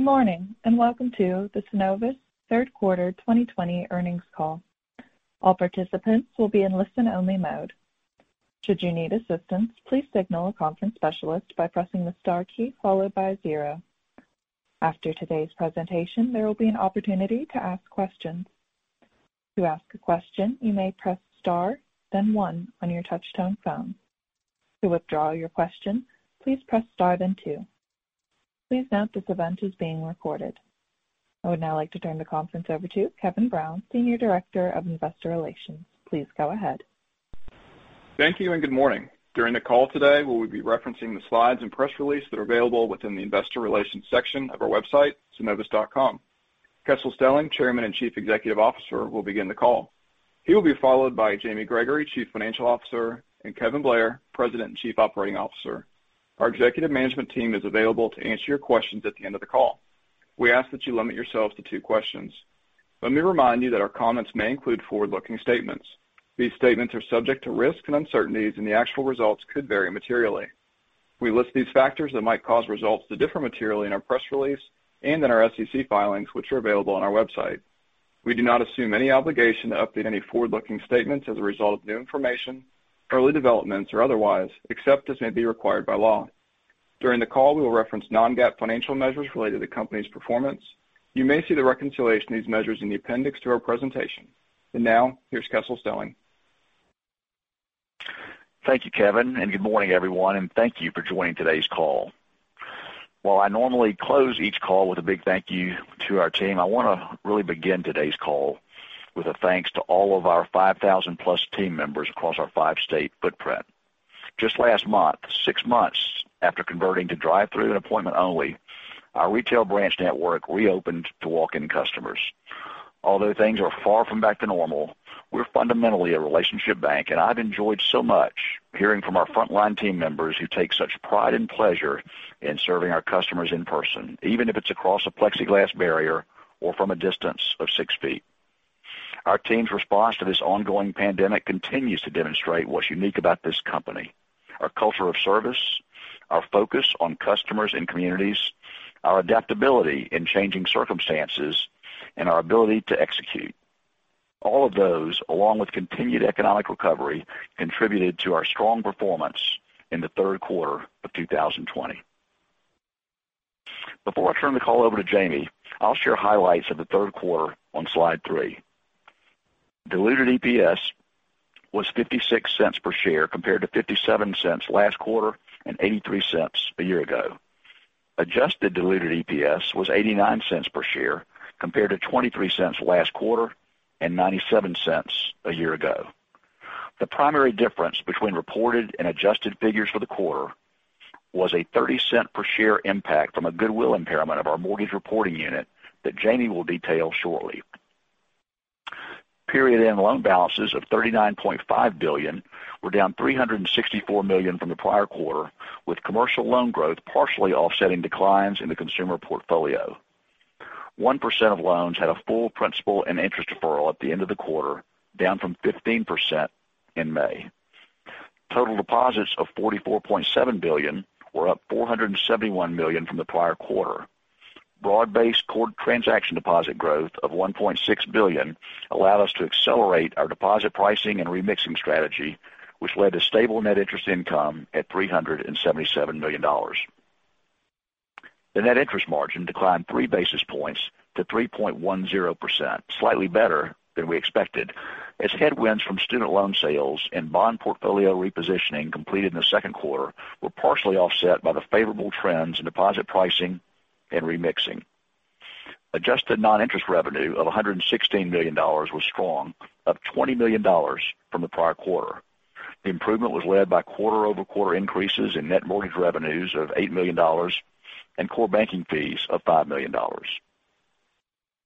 Good morning, welcome to the Synovus third quarter 2020 earnings call. All participants will be in listen only mode. Should you need assistance, please signal a conference specialist by pressing the star key followed by zero. After today's presentation, there will be an opportunity to ask questions. To ask a question, you may press star then 1 on your touch-tone phone. To withdraw your question, please press star then two. Please note this event is being recorded. I would now like to turn the conference over to Kevin Brown, Senior Director, Investor Relations. Please go ahead. Thank you, and good morning. During the call today, we will be referencing the slides and press release that are available within the investor relations section of our website, synovus.com. Kessel Stelling, Chairman and Chief Executive Officer, will begin the call. He will be followed by Jamie Gregory, Chief Financial Officer, and Kevin Blair, President and Chief Operating Officer. Our executive management team is available to answer your questions at the end of the call. We ask that you limit yourselves to two questions. Let me remind you that our comments may include forward-looking statements. These statements are subject to risks and uncertainties, and the actual results could vary materially. We list these factors that might cause results to differ materially in our press release and in our SEC filings, which are available on our website. We do not assume any obligation to update any forward-looking statements as a result of new information, early developments, or otherwise, except as may be required by law. During the call, we will reference non-GAAP financial measures related to company's performance. You may see the reconciliation of these measures in the appendix to our presentation. Now, here's Kessel Stelling. Thank you, Kevin, good morning, everyone, and thank you for joining today's call. While I normally close each call with a big thank you to our team, I want to really begin today's call with a thanks to all of our 5,000+ team members across our five-state footprint. Just last month, six months after converting to drive-through and appointment only, our retail branch network reopened to walk-in customers. Although things are far from back to normal, we're fundamentally a relationship bank, and I've enjoyed so much hearing from our frontline team members who take such pride and pleasure in serving our customers in person, even if it's across a plexiglass barrier or from a distance of 6 ft. Our team's response to this ongoing pandemic continues to demonstrate what's unique about this company. Our culture of service, our focus on customers and communities, our adaptability in changing circumstances, and our ability to execute. All of those, along with continued economic recovery, contributed to our strong performance in the third quarter of 2020. Before I turn the call over to Jamie, I'll share highlights of the third quarter on slide three. Diluted EPS was $0.56 per share compared to $0.57 last quarter and $0.83 a year ago. Adjusted diluted EPS was $0.89 per share compared to $0.23 last quarter and $0.97 a year ago. The primary difference between reported and adjusted figures for the quarter was a $0.30 per share impact from a goodwill impairment of our mortgage reporting unit that Jamie will detail shortly. Period-end loan balances of $39.5 billion were down $364 million from the prior quarter, with commercial loan growth partially offsetting declines in the consumer portfolio. 1% of loans had a full principal and interest deferral at the end of the quarter, down from 15% in May. Total deposits of $44.7 billion were up $471 million from the prior quarter. Broad-based core transaction deposit growth of $1.6 billion allowed us to accelerate our deposit pricing and remixing strategy, which led to stable net interest income at $377 million. The net interest margin declined three basis points to 3.10%, slightly better than we expected, as headwinds from student loan sales and bond portfolio repositioning completed in the second quarter were partially offset by the favorable trends in deposit pricing and remixing. Adjusted non-interest revenue of $116 million was strong, up $20 million from the prior quarter. The improvement was led by quarter-over-quarter increases in net mortgage revenues of $8 million and core banking fees of $5 million.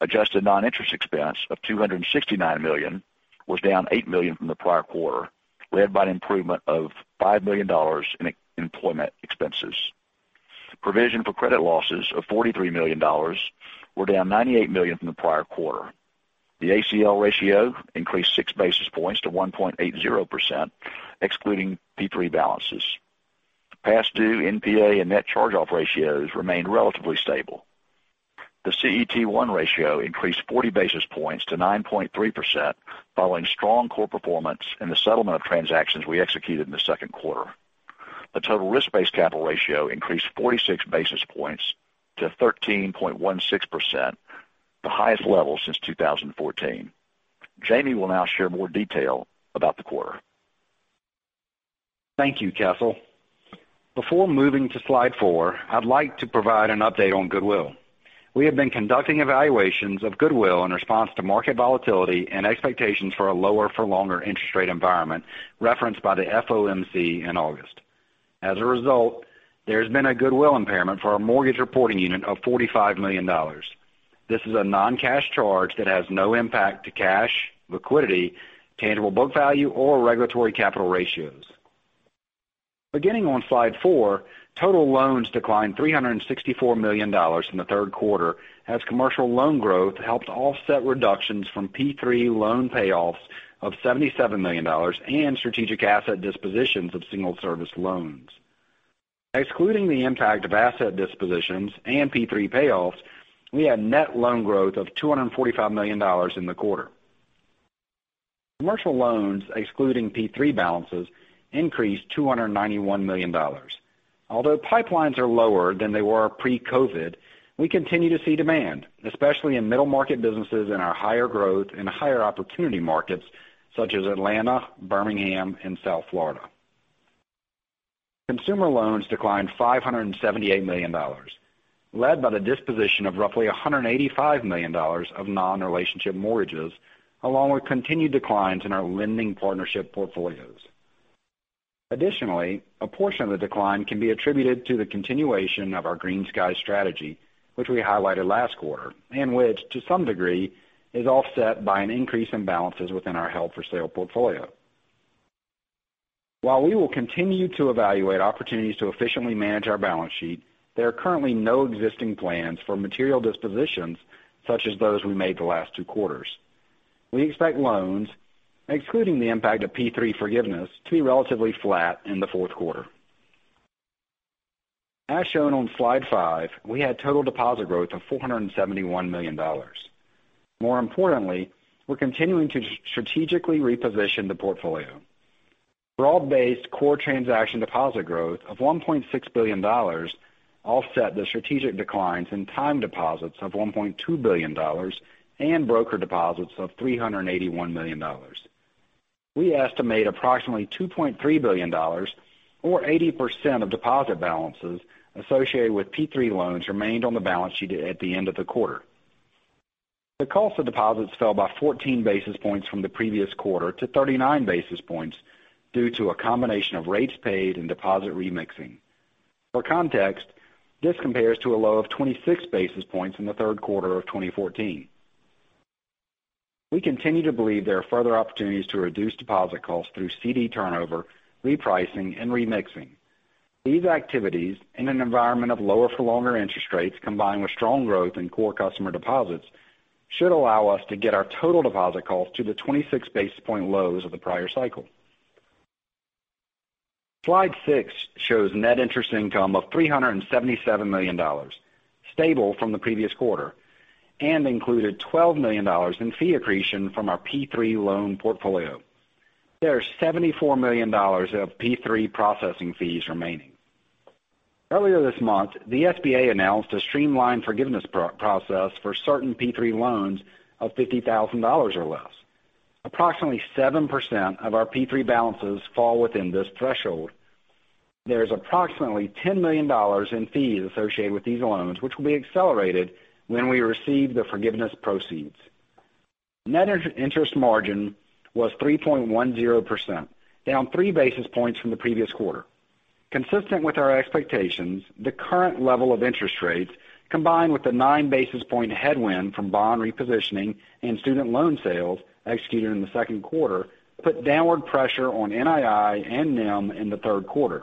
Adjusted non-interest expense of $269 million was down $8 million from the prior quarter, led by an improvement of $5 million in employment expenses. Provision for credit losses of $43 million were down $98 million from the prior quarter. The ACL ratio increased six basis points to 1.80%, excluding PPP balances. Past due NPA and net charge-off ratios remained relatively stable. The CET1 ratio increased 40 basis points to 9.3%, following strong core performance in the settlement of transactions we executed in the second quarter. The total risk-based capital ratio increased 46 basis points to 13.16%, the highest level since 2014. Jamie will now share more detail about the quarter. Thank you, Kessel. Before moving to slide four, I'd like to provide an update on goodwill. We have been conducting evaluations of goodwill in response to market volatility and expectations for a lower for longer interest rate environment referenced by the FOMC in August. As a result, there's been a goodwill impairment for our mortgage reporting unit of $45 million. This is a non-cash charge that has no impact to cash liquidity, tangible book value, or regulatory capital ratios. Beginning on slide four, total loans declined $364 million in the third quarter as commercial loan growth helped offset reductions from PPP loan payoffs of $77 million and strategic asset dispositions of single service loans. Excluding the impact of asset dispositions and PPP payoffs, we had net loan growth of $245 million in the quarter. Commercial loans, excluding PPP balances, increased $291 million. Although pipelines are lower than they were pre-COVID, we continue to see demand, especially in middle-market businesses in our higher growth and higher opportunity markets such as Atlanta, Birmingham, and South Florida. Consumer loans declined $578 million, led by the disposition of roughly $185 million of non-relationship mortgages, along with continued declines in our lending partnership portfolios. Additionally, a portion of the decline can be attributed to the continuation of our GreenSky strategy, which we highlighted last quarter, and which, to some degree, is offset by an increase in balances within our held-for-sale portfolio. While we will continue to evaluate opportunities to efficiently manage our balance sheet, there are currently no existing plans for material dispositions such as those we made the last two quarters. We expect loans, excluding the impact of PPP forgiveness, to be relatively flat in the fourth quarter. As shown on slide five, we had total deposit growth of $471 million. More importantly, we're continuing to strategically reposition the portfolio. Broad-based core transaction deposit growth of $1.6 billion offset the strategic declines in time deposits of $1.2 billion and broker deposits of $381 million. We estimate approximately $2.3 billion or 80% of deposit balances associated with PPP loans remained on the balance sheet at the end of the quarter. The cost of deposits fell by 14 basis points from the previous quarter to 39 basis points due to a combination of rates paid and deposit remixing. For context, this compares to a low of 26 basis points in the third quarter of 2014. We continue to believe there are further opportunities to reduce deposit costs through CD turnover, repricing, and remixing. These activities, in an environment of lower for longer interest rates, combined with strong growth in core customer deposits, should allow us to get our total deposit cost to the 26 basis point lows of the prior cycle. Slide six shows net interest income of $377 million, stable from the previous quarter, and included $12 million in fee accretion from our PPP loan portfolio. There is $74 million of PPP processing fees remaining. Earlier this month, the SBA announced a streamlined forgiveness process for certain PPP loans of $50,000 or less. Approximately 7% of our PPP balances fall within this threshold. There is approximately $10 million in fees associated with these loans, which will be accelerated when we receive the forgiveness proceeds. Net interest margin was 3.10%, down three basis points from the previous quarter. Consistent with our expectations, the current level of interest rates, combined with the nine basis point headwind from bond repositioning and student loan sales executed in the second quarter, put downward pressure on NII and NIM in the third quarter.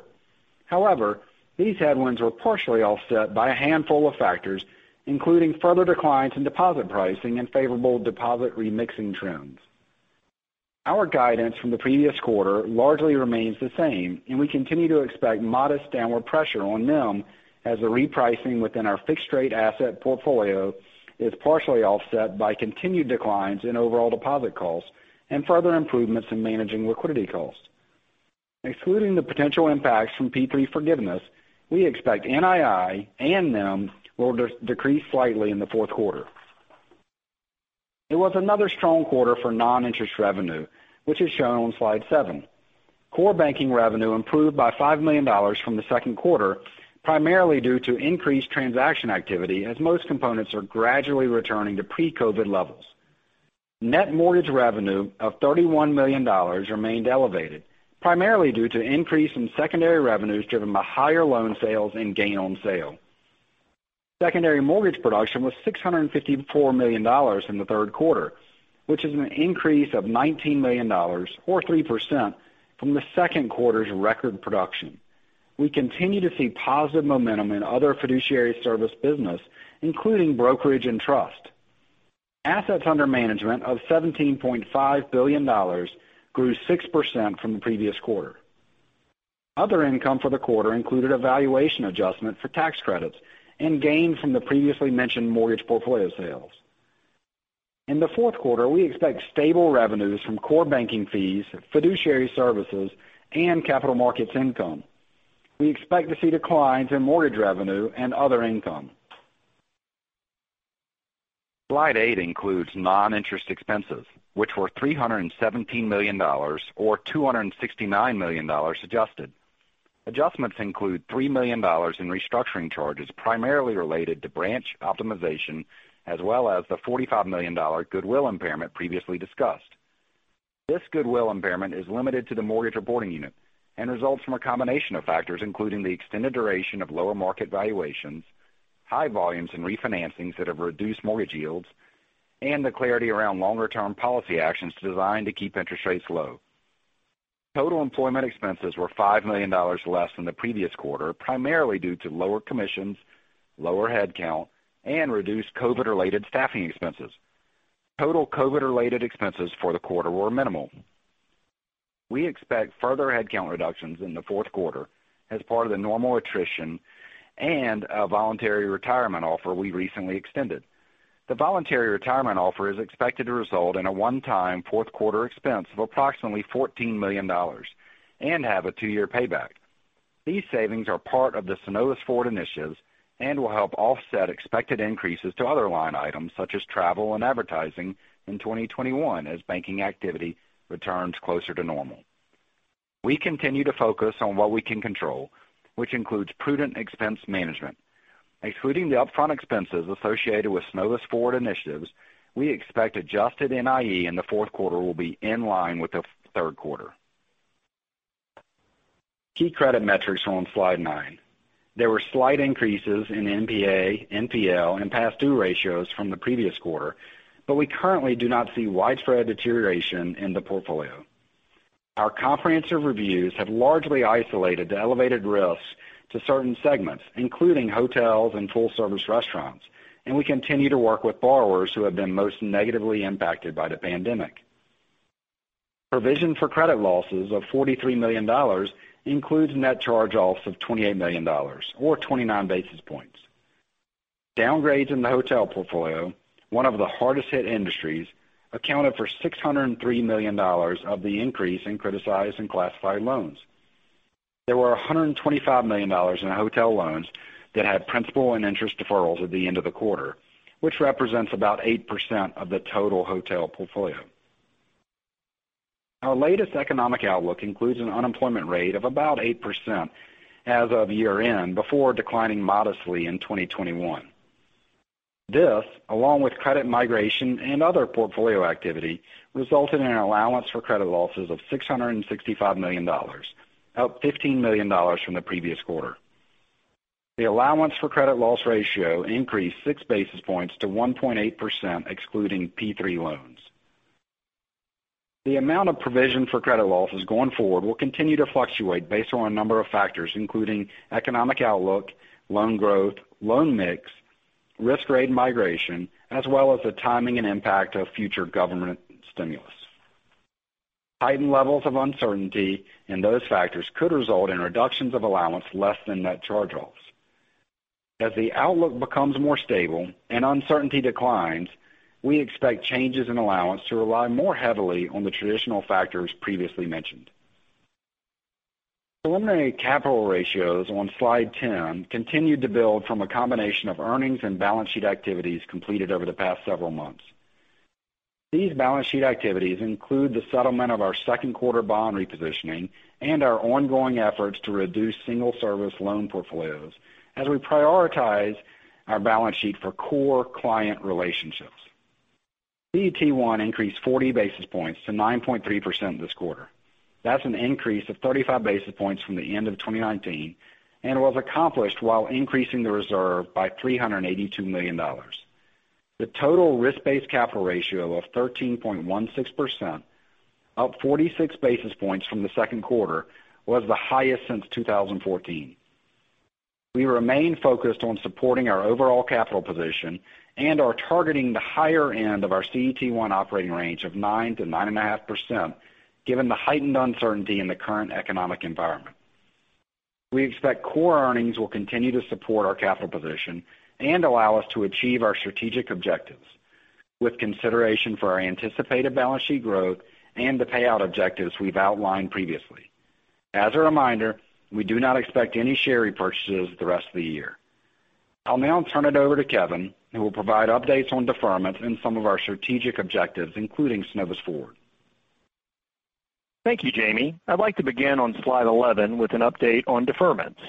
However, these headwinds were partially offset by a handful of factors, including further declines in deposit pricing and favorable deposit remixing trends. Our guidance from the previous quarter largely remains the same, and we continue to expect modest downward pressure on NIM as the repricing within our fixed rate asset portfolio is partially offset by continued declines in overall deposit costs and further improvements in managing liquidity costs. Excluding the potential impacts from PPP forgiveness, we expect NII and NIM will decrease slightly in the fourth quarter. It was another strong quarter for non-interest revenue, which is shown on slide seven. Core banking revenue improved by $5 million from the second quarter, primarily due to increased transaction activity, as most components are gradually returning to pre-COVID levels. Net mortgage revenue of $31 million remained elevated, primarily due to an increase in secondary revenues driven by higher loan sales and gain on sale. Secondary mortgage production was $654 million in the third quarter, which is an increase of $19 million or 3% from the second quarter's record production. We continue to see positive momentum in other fiduciary service business, including brokerage and trust. Assets under management of $17.5 billion grew 6% from the previous quarter. Other income for the quarter included a valuation adjustment for tax credits and gain from the previously mentioned mortgage portfolio sales. In the fourth quarter, we expect stable revenues from core banking fees, fiduciary services, and capital markets income. We expect to see declines in mortgage revenue and other income. Slide eight includes non-interest expenses, which were $317 million or $269 million adjusted. Adjustments include $3 million in restructuring charges, primarily related to branch optimization, as well as the $45 million goodwill impairment previously discussed. This goodwill impairment is limited to the mortgage reporting unit and results from a combination of factors, including the extended duration of lower market valuations, high volumes and refinancings that have reduced mortgage yields, and the clarity around longer-term policy actions designed to keep interest rates low. Total employment expenses were $5 million less than the previous quarter, primarily due to lower commissions, lower headcount, and reduced COVID-related staffing expenses. Total COVID-related expenses for the quarter were minimal. We expect further headcount reductions in the fourth quarter as part of the normal attrition and a voluntary retirement offer we recently extended. The voluntary retirement offer is expected to result in a one-time fourth quarter expense of approximately $14 million and have a two-year payback. These savings are part of the Synovus Forward initiatives and will help offset expected increases to other line items such as travel and advertising in 2021 as banking activity returns closer to normal. We continue to focus on what we can control, which includes prudent expense management. Excluding the upfront expenses associated with Synovus Forward initiatives, we expect adjusted NIE in the fourth quarter will be in line with the third quarter. Key credit metrics are on slide nine. There were slight increases in NPA, NPL, and past due ratios from the previous quarter, but we currently do not see widespread deterioration in the portfolio. Our comprehensive reviews have largely isolated the elevated risks to certain segments, including hotels and full service restaurants, and we continue to work with borrowers who have been most negatively impacted by the pandemic. Provision for credit losses of $43 million includes net charge-offs of $28 million or 29 basis points. Downgrades in the hotel portfolio, one of the hardest hit industries, accounted for $603 million of the increase in criticized and classified loans. There were $125 million in hotel loans that had principal and interest deferrals at the end of the quarter, which represents about 8% of the total hotel portfolio. Our latest economic outlook includes an unemployment rate of about 8% as of year-end, before declining modestly in 2021. This, along with credit migration and other portfolio activity, resulted in an allowance for credit losses of $665 million, up $15 million from the previous quarter. The allowance for credit loss ratio increased six basis points to 1.8%, excluding PPP loans. The amount of provision for credit losses going forward will continue to fluctuate based on a number of factors, including economic outlook, loan growth, loan mix, risk grade migration, as well as the timing and impact of future government stimulus. Heightened levels of uncertainty in those factors could result in reductions of allowance less than net charge-offs. As the outlook becomes more stable and uncertainty declines, we expect changes in allowance to rely more heavily on the traditional factors previously mentioned. Preliminary capital ratios on slide 10 continued to build from a combination of earnings and balance sheet activities completed over the past several months. These balance sheet activities include the settlement of our second quarter bond repositioning and our ongoing efforts to reduce single service loan portfolios as we prioritize our balance sheet for core client relationships. CET1 increased 40 basis points to 9.3% this quarter. That's an increase of 35 basis points from the end of 2019, and was accomplished while increasing the reserve by $382 million. The total risk-based capital ratio of 13.16%, up 46 basis points from the second quarter, was the highest since 2014. We remain focused on supporting our overall capital position and are targeting the higher end of our CET1 operating range of 9%-9.5%, given the heightened uncertainty in the current economic environment. We expect core earnings will continue to support our capital position and allow us to achieve our strategic objectives with consideration for our anticipated balance sheet growth and the payout objectives we've outlined previously. As a reminder, we do not expect any share repurchases the rest of the year. I'll now turn it over to Kevin, who will provide updates on deferments and some of our strategic objectives, including Synovus Forward. Thank you, Jamie. I'd like to begin on slide 11 with an update on deferments.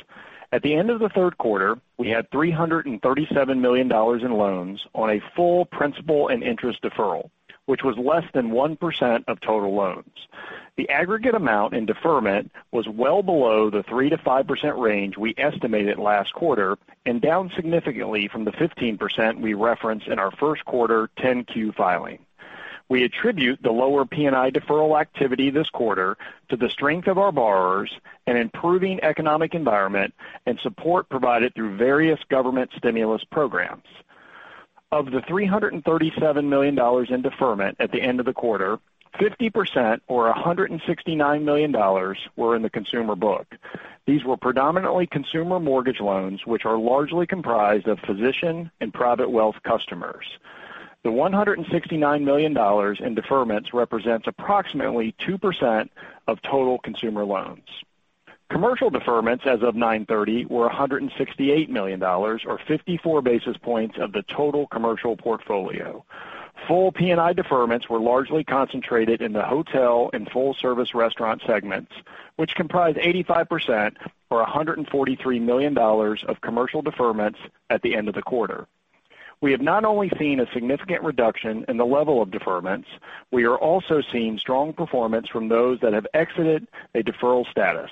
At the end of the third quarter, we had $337 million in loans on a full principal and interest deferral, which was less than 1% of total loans. The aggregate amount in deferment was well below the 3%-5% range we estimated last quarter, and down significantly from the 15% we referenced in our first quarter 10-Q filing. We attribute the lower P&I deferral activity this quarter to the strength of our borrowers and improving economic environment and support provided through various government stimulus programs. Of the $337 million in deferment at the end of the quarter, 50%, or $169 million, were in the consumer book. These were predominantly consumer mortgage loans, which are largely comprised of physician and private wealth customers. The $169 million in deferments represents approximately 2% of total consumer loans. Commercial deferments as of 9/30 were $168 million, or 54 basis points of the total commercial portfolio. Full P&I deferments were largely concentrated in the hotel and full service restaurant segments, which comprised 85%, or $143 million, of commercial deferments at the end of the quarter. We have not only seen a significant reduction in the level of deferments, we are also seeing strong performance from those that have exited a deferral status.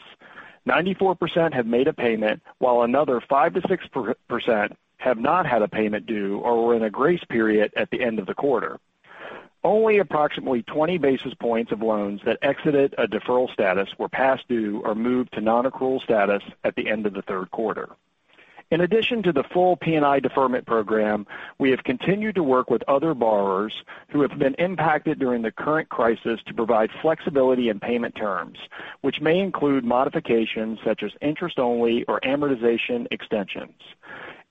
94% have made a payment, while another 5%-6% have not had a payment due or were in a grace period at the end of the quarter. Only approximately 20 basis points of loans that exited a deferral status were past due or moved to nonaccrual status at the end of the third quarter. In addition to the full P&I deferment program, we have continued to work with other borrowers who have been impacted during the current crisis to provide flexibility in payment terms, which may include modifications such as interest-only or amortization extensions.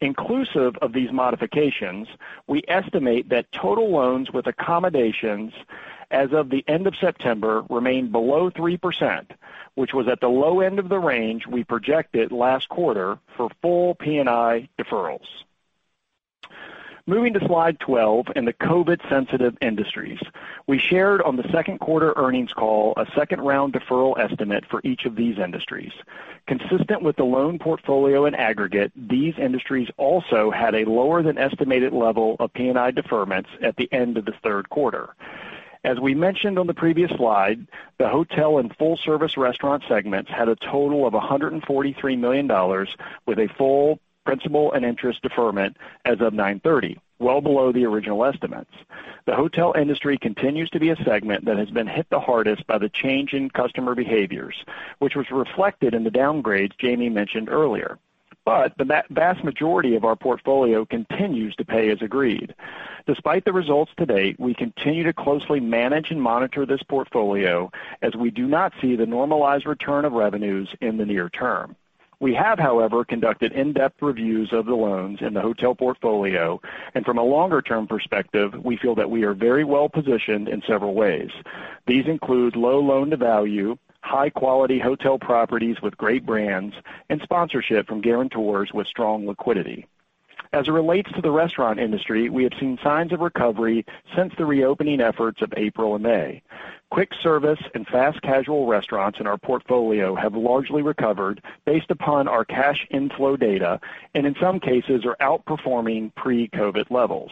Inclusive of these modifications, we estimate that total loans with accommodations as of the end of September remained below 3%, which was at the low end of the range we projected last quarter for full P&I deferrals. Moving to slide 12 and the COVID-sensitive industries. We shared on the second quarter earnings call a second-round deferral estimate for each of these industries. Consistent with the loan portfolio in aggregate, these industries also had a lower than estimated level of P&I deferments at the end of the third quarter. As we mentioned on the previous slide, the hotel and full-service restaurant segments had a total of $143 million with a full principal and interest deferment as of 9/30, well below the original estimates. The hotel industry continues to be a segment that has been hit the hardest by the change in customer behaviors, which was reflected in the downgrades Jamie mentioned earlier. The vast majority of our portfolio continues to pay as agreed. Despite the results to date, we continue to closely manage and monitor this portfolio as we do not see the normalized return of revenues in the near term. We have, however, conducted in-depth reviews of the loans in the hotel portfolio, and from a longer-term perspective, we feel that we are very well positioned in several ways. These include low loan-to-value, high-quality hotel properties with great brands, and sponsorship from guarantors with strong liquidity. As it relates to the restaurant industry, we have seen signs of recovery since the reopening efforts of April and May. Quick service and fast casual restaurants in our portfolio have largely recovered based upon our cash inflow data, and in some cases, are outperforming pre-COVID levels.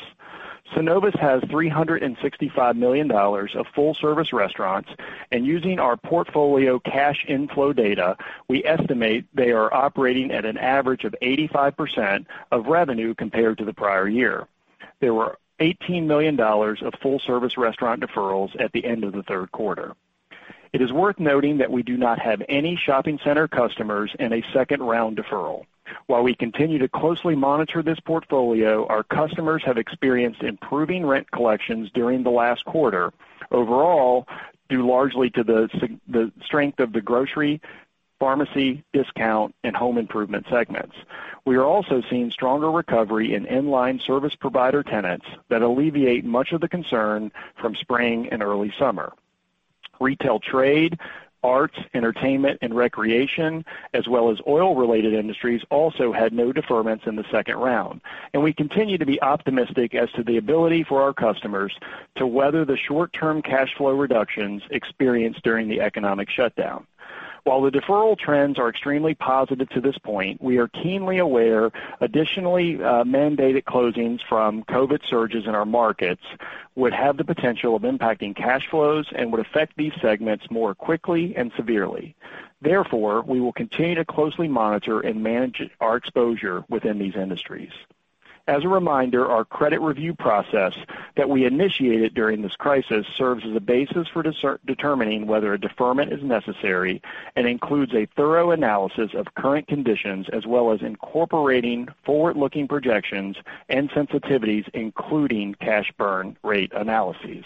Synovus has $365 million of full-service restaurants, and using our portfolio cash inflow data, we estimate they are operating at an average of 85% of revenue compared to the prior year. There were $18 million of full-service restaurant deferrals at the end of the third quarter. It is worth noting that we do not have any shopping center customers in a second-round deferral. While we continue to closely monitor this portfolio, our customers have experienced improving rent collections during the last quarter overall, due largely to the strength of the grocery, pharmacy, discount, and home improvement segments. We are also seeing stronger recovery in inline service provider tenants that alleviate much of the concern from spring and early summer. Retail trade, arts, entertainment, and recreation, as well as oil-related industries, also had no deferments in the second round, and we continue to be optimistic as to the ability for our customers to weather the short-term cash flow reductions experienced during the economic shutdown. While the deferral trends are extremely positive to this point, we are keenly aware additionally mandated closings from COVID surges in our markets would have the potential of impacting cash flows and would affect these segments more quickly and severely. Therefore, we will continue to closely monitor and manage our exposure within these industries. As a reminder, our credit review process that we initiated during this crisis serves as a basis for determining whether a deferment is necessary and includes a thorough analysis of current conditions as well as incorporating forward-looking projections and sensitivities, including cash burn rate analyses.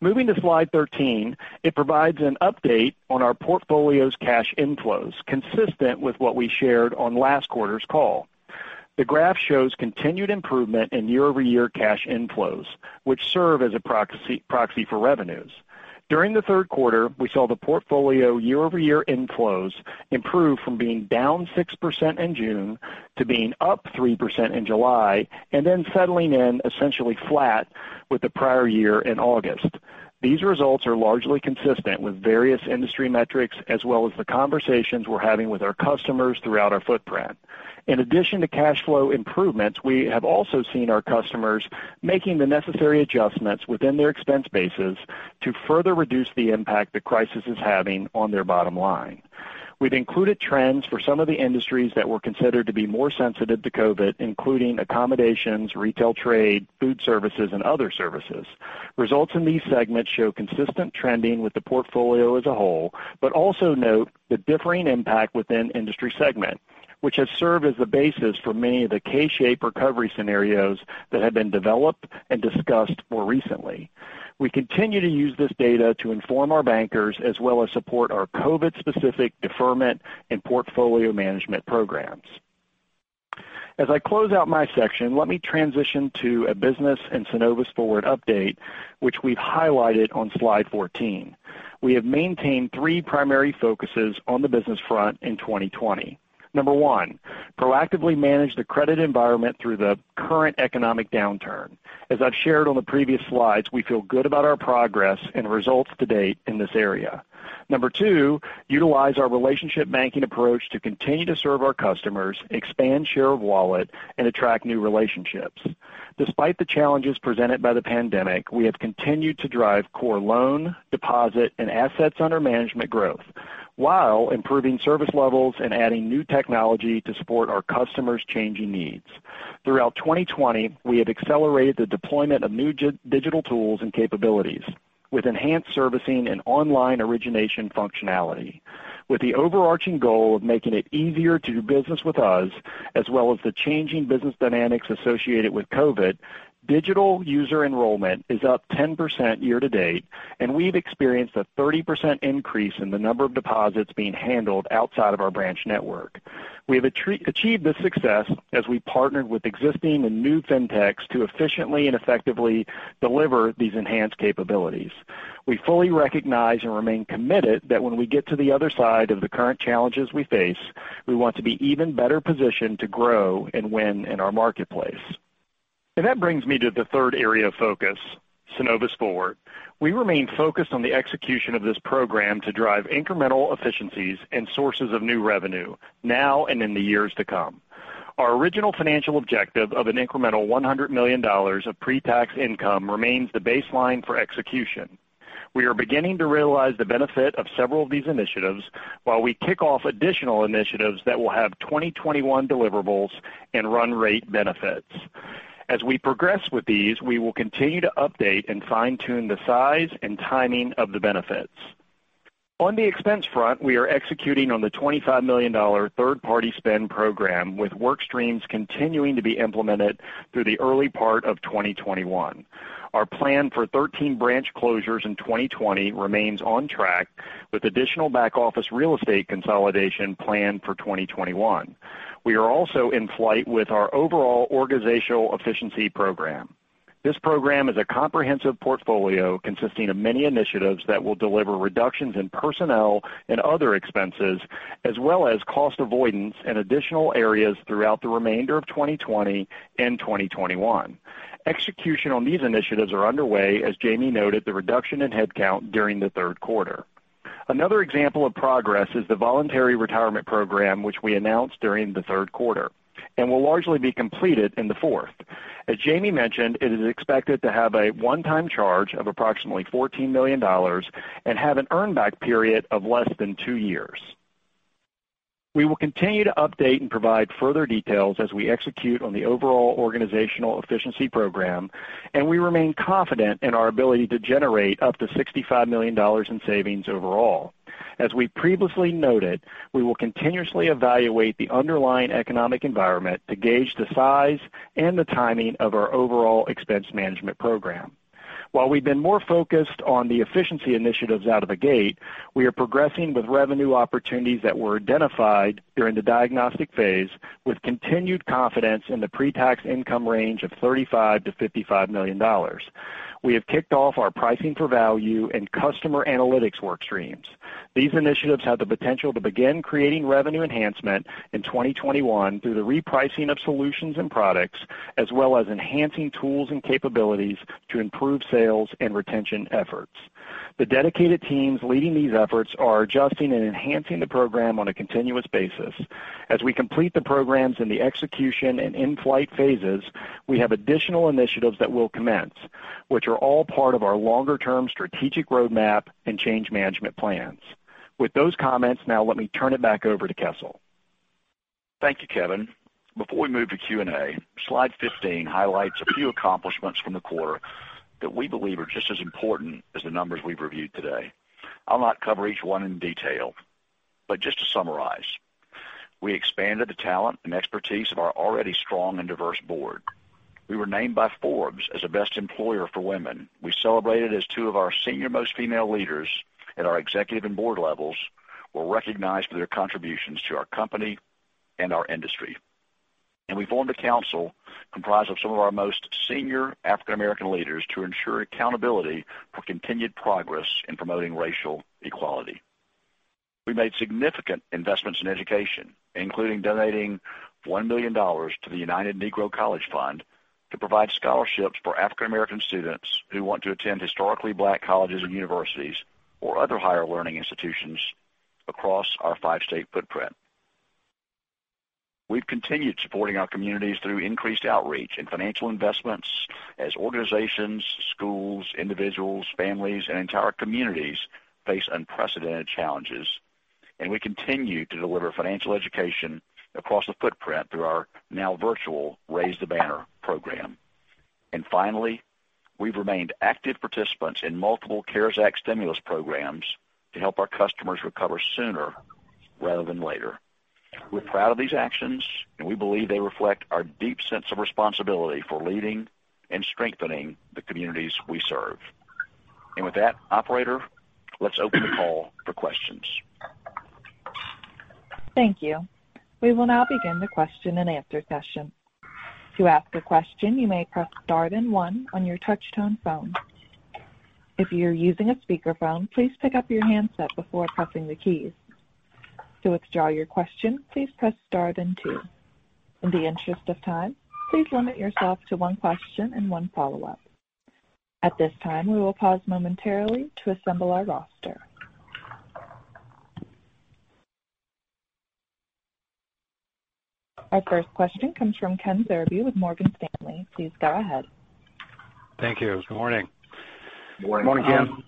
Moving to slide 13, it provides an update on our portfolio's cash inflows, consistent with what we shared on last quarter's call. The graph shows continued improvement in year-over-year cash inflows, which serve as a proxy for revenues. During the third quarter, we saw the portfolio year-over-year inflows improve from being down 6% in June to being up 3% in July, and then settling in essentially flat with the prior year in August. These results are largely consistent with various industry metrics as well as the conversations we're having with our customers throughout our footprint. In addition to cash flow improvements, we have also seen our customers making the necessary adjustments within their expense bases to further reduce the impact the crisis is having on their bottom line. We've included trends for some of the industries that were considered to be more sensitive to COVID, including accommodations, retail trade, food services, and other services. Results in these segments show consistent trending with the portfolio as a whole, but also note the differing impact within industry segment, which has served as the basis for many of the K-shaped recovery scenarios that have been developed and discussed more recently. We continue to use this data to inform our bankers as well as support our COVID-specific deferment and portfolio management programs. As I close out my section, let me transition to a business and Synovus Forward update, which we've highlighted on slide 14. We have maintained three primary focuses on the business front in 2020. Number one, proactively manage the credit environment through the current economic downturn. As I've shared on the previous slides, we feel good about our progress and results to date in this area. Number two, utilize our relationship banking approach to continue to serve our customers, expand share of wallet, and attract new relationships. Despite the challenges presented by the pandemic, we have continued to drive core loan, deposit, and assets under management growth while improving service levels and adding new technology to support our customers' changing needs. Throughout 2020, we have accelerated the deployment of new digital tools and capabilities with enhanced servicing and online origination functionality. With the overarching goal of making it easier to do business with us, as well as the changing business dynamics associated with COVID, digital user enrollment is up 10% year to date, and we've experienced a 30% increase in the number of deposits being handled outside of our branch network. We have achieved this success as we partnered with existing and new fintechs to efficiently and effectively deliver these enhanced capabilities. We fully recognize and remain committed that when we get to the other side of the current challenges we face, we want to be even better positioned to grow and win in our marketplace. That brings me to the third area of focus, Synovus Forward. We remain focused on the execution of this program to drive incremental efficiencies and sources of new revenue now and in the years to come. Our original financial objective of an incremental $100 million of pre-tax income remains the baseline for execution. We are beginning to realize the benefit of several of these initiatives while we kick off additional initiatives that will have 2021 deliverables and run rate benefits. As we progress with these, we will continue to update and fine-tune the size and timing of the benefits. On the expense front, we are executing on the $25 million third-party spend program, with work streams continuing to be implemented through the early part of 2021. Our plan for 13 branch closures in 2020 remains on track, with additional back-office real estate consolidation planned for 2021. We are also in flight with our overall organizational efficiency program. This program is a comprehensive portfolio consisting of many initiatives that will deliver reductions in personnel and other expenses, as well as cost avoidance in additional areas throughout the remainder of 2020 and 2021. Execution on these initiatives are underway, as Jamie noted the reduction in headcount during the third quarter. Another example of progress is the voluntary retirement program, which we announced during the third quarter and will largely be completed in the fourth. As Jamie mentioned, it is expected to have a one-time charge of approximately $14 million and have an earn back period of less than two years. We will continue to update and provide further details as we execute on the overall organizational efficiency program. We remain confident in our ability to generate up to $65 million in savings overall. As we previously noted, we will continuously evaluate the underlying economic environment to gauge the size and the timing of our overall expense management program. While we've been more focused on the efficiency initiatives out of the gate, we are progressing with revenue opportunities that were identified during the diagnostic phase with continued confidence in the pre-tax income range of $35 million-$55 million. We have kicked off our pricing for value and customer analytics work streams. These initiatives have the potential to begin creating revenue enhancement in 2021 through the repricing of solutions and products, as well as enhancing tools and capabilities to improve sales and retention efforts. The dedicated teams leading these efforts are adjusting and enhancing the program on a continuous basis. As we complete the programs in the execution and in-flight phases, we have additional initiatives that will commence, which are all part of our longer-term strategic roadmap and change management plans. With those comments, now let me turn it back over to Kessel. Thank you, Kevin. Before we move to Q&A, slide 15 highlights a few accomplishments from the quarter that we believe are just as important as the numbers we've reviewed today. I'll not cover each one in detail, but just to summarize, we expanded the talent and expertise of our already strong and diverse board. We were named by Forbes as a Best Employer for Women. We celebrated as two of our senior-most female leaders at our executive and board levels were recognized for their contributions to our company and our industry. We formed a council comprised of some of our most senior African American leaders to ensure accountability for continued progress in promoting racial equality. We made significant investments in education, including donating $1 million to the United Negro College Fund to provide scholarships for African American students who want to attend historically black colleges and universities or other higher learning institutions across our five-state footprint. We've continued supporting our communities through increased outreach and financial investments as organizations, schools, individuals, families, and entire communities face unprecedented challenges. We continue to deliver financial education across the footprint through our now virtual Raise the Banner program. Finally, we've remained active participants in multiple CARES Act stimulus programs to help our customers recover sooner rather than later. We're proud of these actions, and we believe they reflect our deep sense of responsibility for leading and strengthening the communities we serve. With that, operator, let's open the call for questions. Thank you. We will now begin the question and answer session. To ask a question, you may press star then one on your touchtone phone. If you're using a speakerphone, please pick up your handset before pressing the keys. To withdraw your question, please press star then two. In the interest of time, please limit yourself to one question and one follow-up. At this time, we will pause momentarily to assemble our roster. Our first question comes from Ken Zerbe with Morgan Stanley. Please go ahead. Thank you. Good morning. Good morning. Morning, Ken.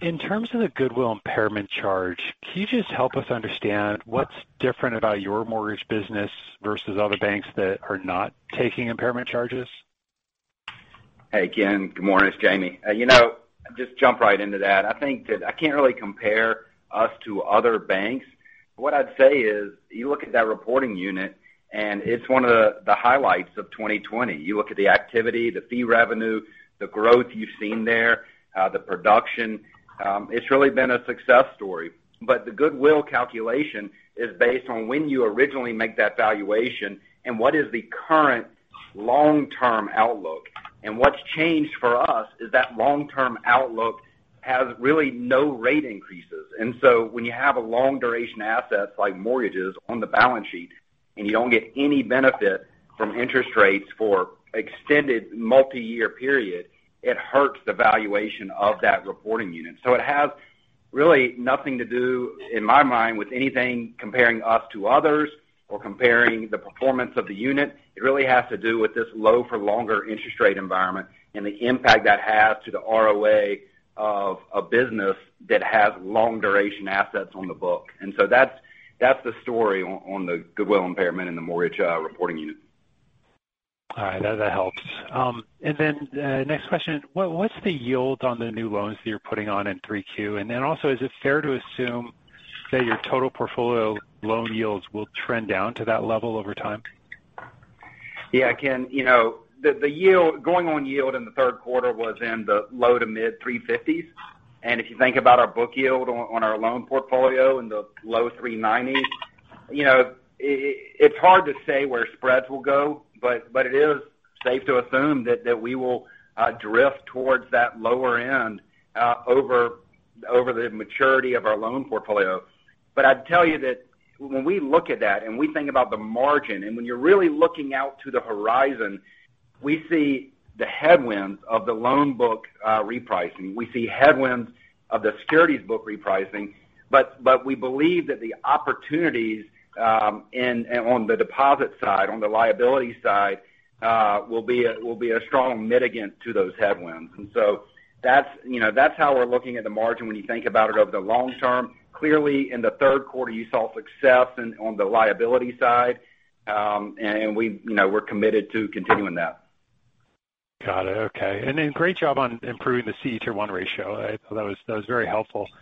In terms of the goodwill impairment charge, can you just help us understand what's different about your mortgage business versus other banks that are not taking impairment charges? Hey, Ken. Good morning. It's Jamie. I'll just jump right into that. I think that I can't really compare us to other banks. What I'd say is, you look at that reporting unit, and it's one of the highlights of 2020. You look at the activity, the fee revenue, the growth you've seen there, the production. It's really been a success story. The goodwill calculation is based on when you originally make that valuation and what is the current long-term outlook. What's changed for us is that long-term outlook has really no rate increases. When you have a long duration asset like mortgages on the balance sheet, and you don't get any benefit from interest rates for extended multi-year period, it hurts the valuation of that reporting unit. It has really nothing to do, in my mind, with anything comparing us to others or comparing the performance of the unit. It really has to do with this low-for-longer interest rate environment and the impact that has to the ROA of a business that has long duration assets on the book. That's the story on the goodwill impairment in the mortgage reporting unit. All right. That helps. Next question. What's the yield on the new loans that you're putting on in 3Q? Is it fair to assume that your total portfolio loan yields will trend down to that level over time? Yeah, Ken. The going-in yield in the third quarter was in the low to mid 350s. If you think about our book yield on our loan portfolio in the low 390s, it's hard to say where spreads will go, but it is safe to assume that we will drift towards that lower end over the maturity of our loan portfolio. I'd tell you that when we look at that, and we think about the margin, and when you're really looking out to the horizon, we see the headwinds of the loan book repricing. We see headwinds of the securities book repricing. We believe that the opportunities on the deposit side, on the liability side, will be a strong mitigant to those headwinds. That's how we're looking at the margin when you think about it over the long term. Clearly, in the third quarter, you saw success on the liability side, and we're committed to continuing that. Got it. Okay. Great job on improving the CET1 ratio. That was very helpful. Thank you.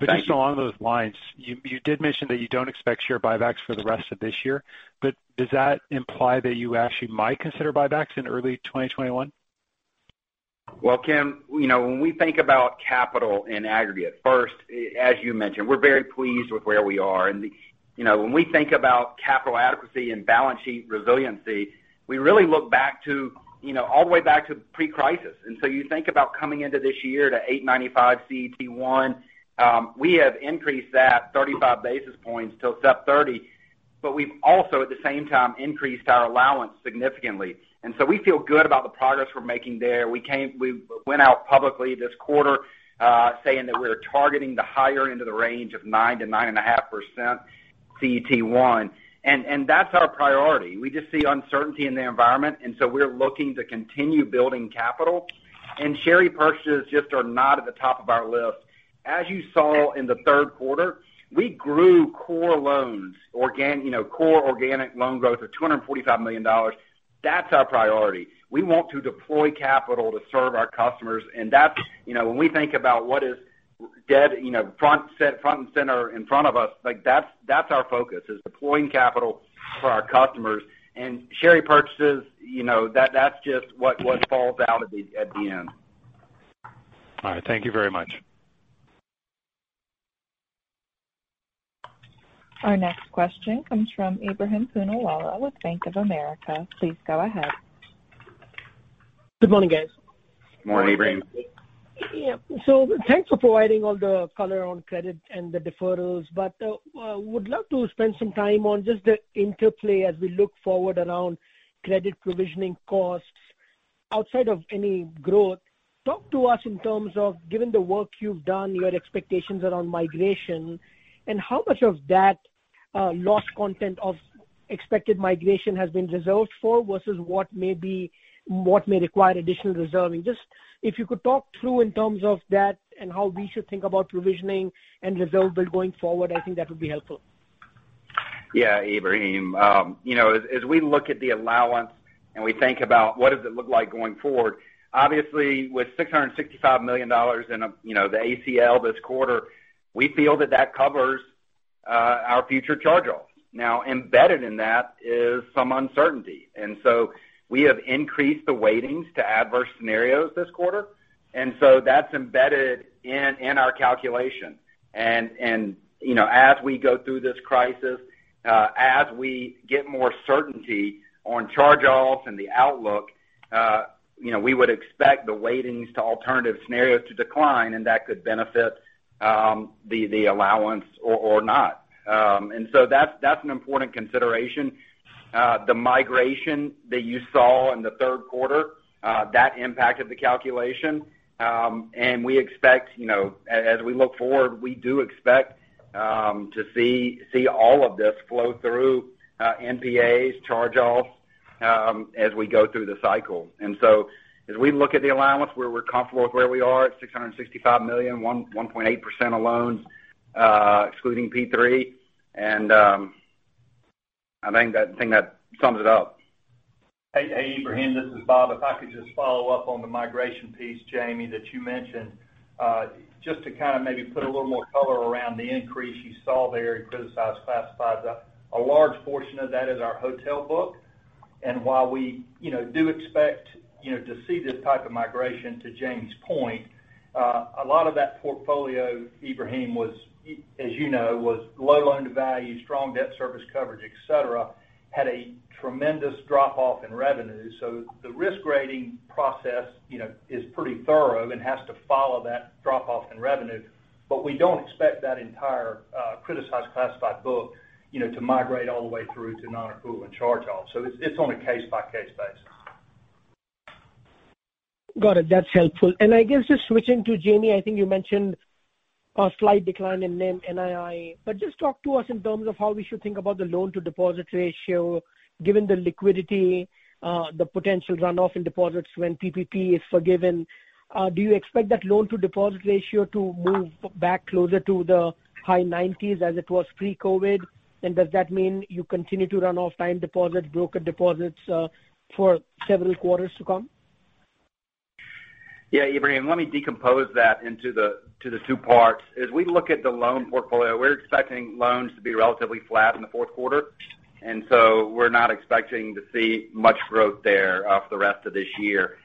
Just along those lines, you did mention that you don't expect share buybacks for the rest of this year. Does that imply that you actually might consider buybacks in early 2021? Well, Ken, when we think about capital in aggregate, first, as you mentioned, we're very pleased with where we are. When we think about capital adequacy and balance sheet resiliency, we really look back all the way to pre-crisis. You think about coming into this year to 895 CET1. We have increased that 35 basis points till Sep 30, but we've also, at the same time, increased our allowance significantly. We feel good about the progress we're making there. We went out publicly this quarter saying that we're targeting the higher end of the range of 9%-9.5% CET1, and that's our priority. We just see uncertainty in the environment, and so we're looking to continue building capital. Share repurchases just are not at the top of our list. As you saw in the third quarter, we grew core loans. Core organic loan growth of $245 million. That's our priority. We want to deploy capital to serve our customers. When we think about what is dead front and center in front of us, that's our focus, is deploying capital for our customers. Share repurchases, that's just what falls out at the end. All right. Thank you very much. Our next question comes from Ebrahim Poonawala with Bank of America. Please go ahead. Good morning, guys. Good morning, Ebrahim. Yeah. Thanks for providing all the color on credit and the deferrals, but would love to spend some time on just the interplay as we look forward around credit provisioning costs outside of any growth. Talk to us in terms of, given the work you've done, your expectations around migration, and how much of that loss content of expected migration has been reserved for versus what may require additional reserving. Just if you could talk through in terms of that and how we should think about provisioning and reserve build going forward, I think that would be helpful. Yeah, Ebrahim. We look at the allowance and we think about what does it look like going forward, obviously with $665 million in the ACL this quarter, we feel that that covers our future charge-offs. Embedded in that is some uncertainty. We have increased the weightings to adverse scenarios this quarter. That's embedded in our calculation. As we go through this crisis, as we get more certainty on charge-offs and the outlook, we would expect the weightings to alternative scenarios to decline, and that could benefit the allowance or not. That's an important consideration. The migration that you saw in the third quarter, that impacted the calculation. As we look forward, we do expect to see all of this flow through NPAs, charge-offs. We go through the cycle. As we look at the allowance where we're comfortable with where we are at $665 million, 1.8% of loans, excluding PPP, and I think that sums it up. Hey, Ebrahim, this is Bob. If I could just follow up on the migration piece, Jamie, that you mentioned, just to kind of maybe put a little more color around the increase you saw there in criticized classifieds. A large portion of that is our hotel book. While we do expect to see this type of migration, to Jamie's point, a lot of that portfolio, Ebrahim, as you know, was low loan-to-value, strong debt service coverage, et cetera, had a tremendous drop-off in revenue. The risk-grading process is pretty thorough and has to follow that drop-off in revenue. We don't expect that entire criticized classified book to migrate all the way through to non-accrual and charge-off. It's on a case-by-case basis. I guess just switching to Jamie, I think you mentioned a slight decline in NIM NII, but just talk to us in terms of how we should think about the loan-to-deposit ratio, given the liquidity, the potential runoff in deposits when PPP is forgiven. Do you expect that loan-to-deposit ratio to move back closer to the high 90s as it was pre-COVID? Does that mean you continue to run off time deposits, broker deposits, for several quarters to come? Yeah, Ebrahim, let me decompose that into the two parts. As we look at the loan portfolio, we're expecting loans to be relatively flat in the fourth quarter, and so we're not expecting to see much growth there for the rest of this year.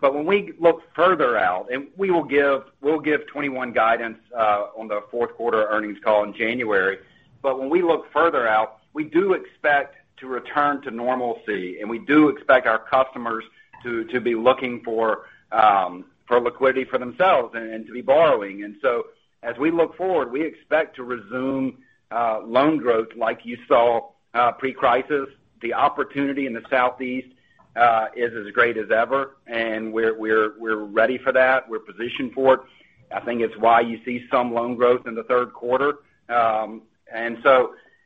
When we look further out, and we will give 2021 guidance on the fourth quarter earnings call in January, but when we look further out, we do expect to return to normalcy, and we do expect our customers to be looking for liquidity for themselves and to be borrowing. As we look forward, we expect to resume loan growth like you saw pre-crisis. The opportunity in the Southeast is as great as ever, and we're ready for that. We're positioned for it. I think it's why you see some loan growth in the third quarter.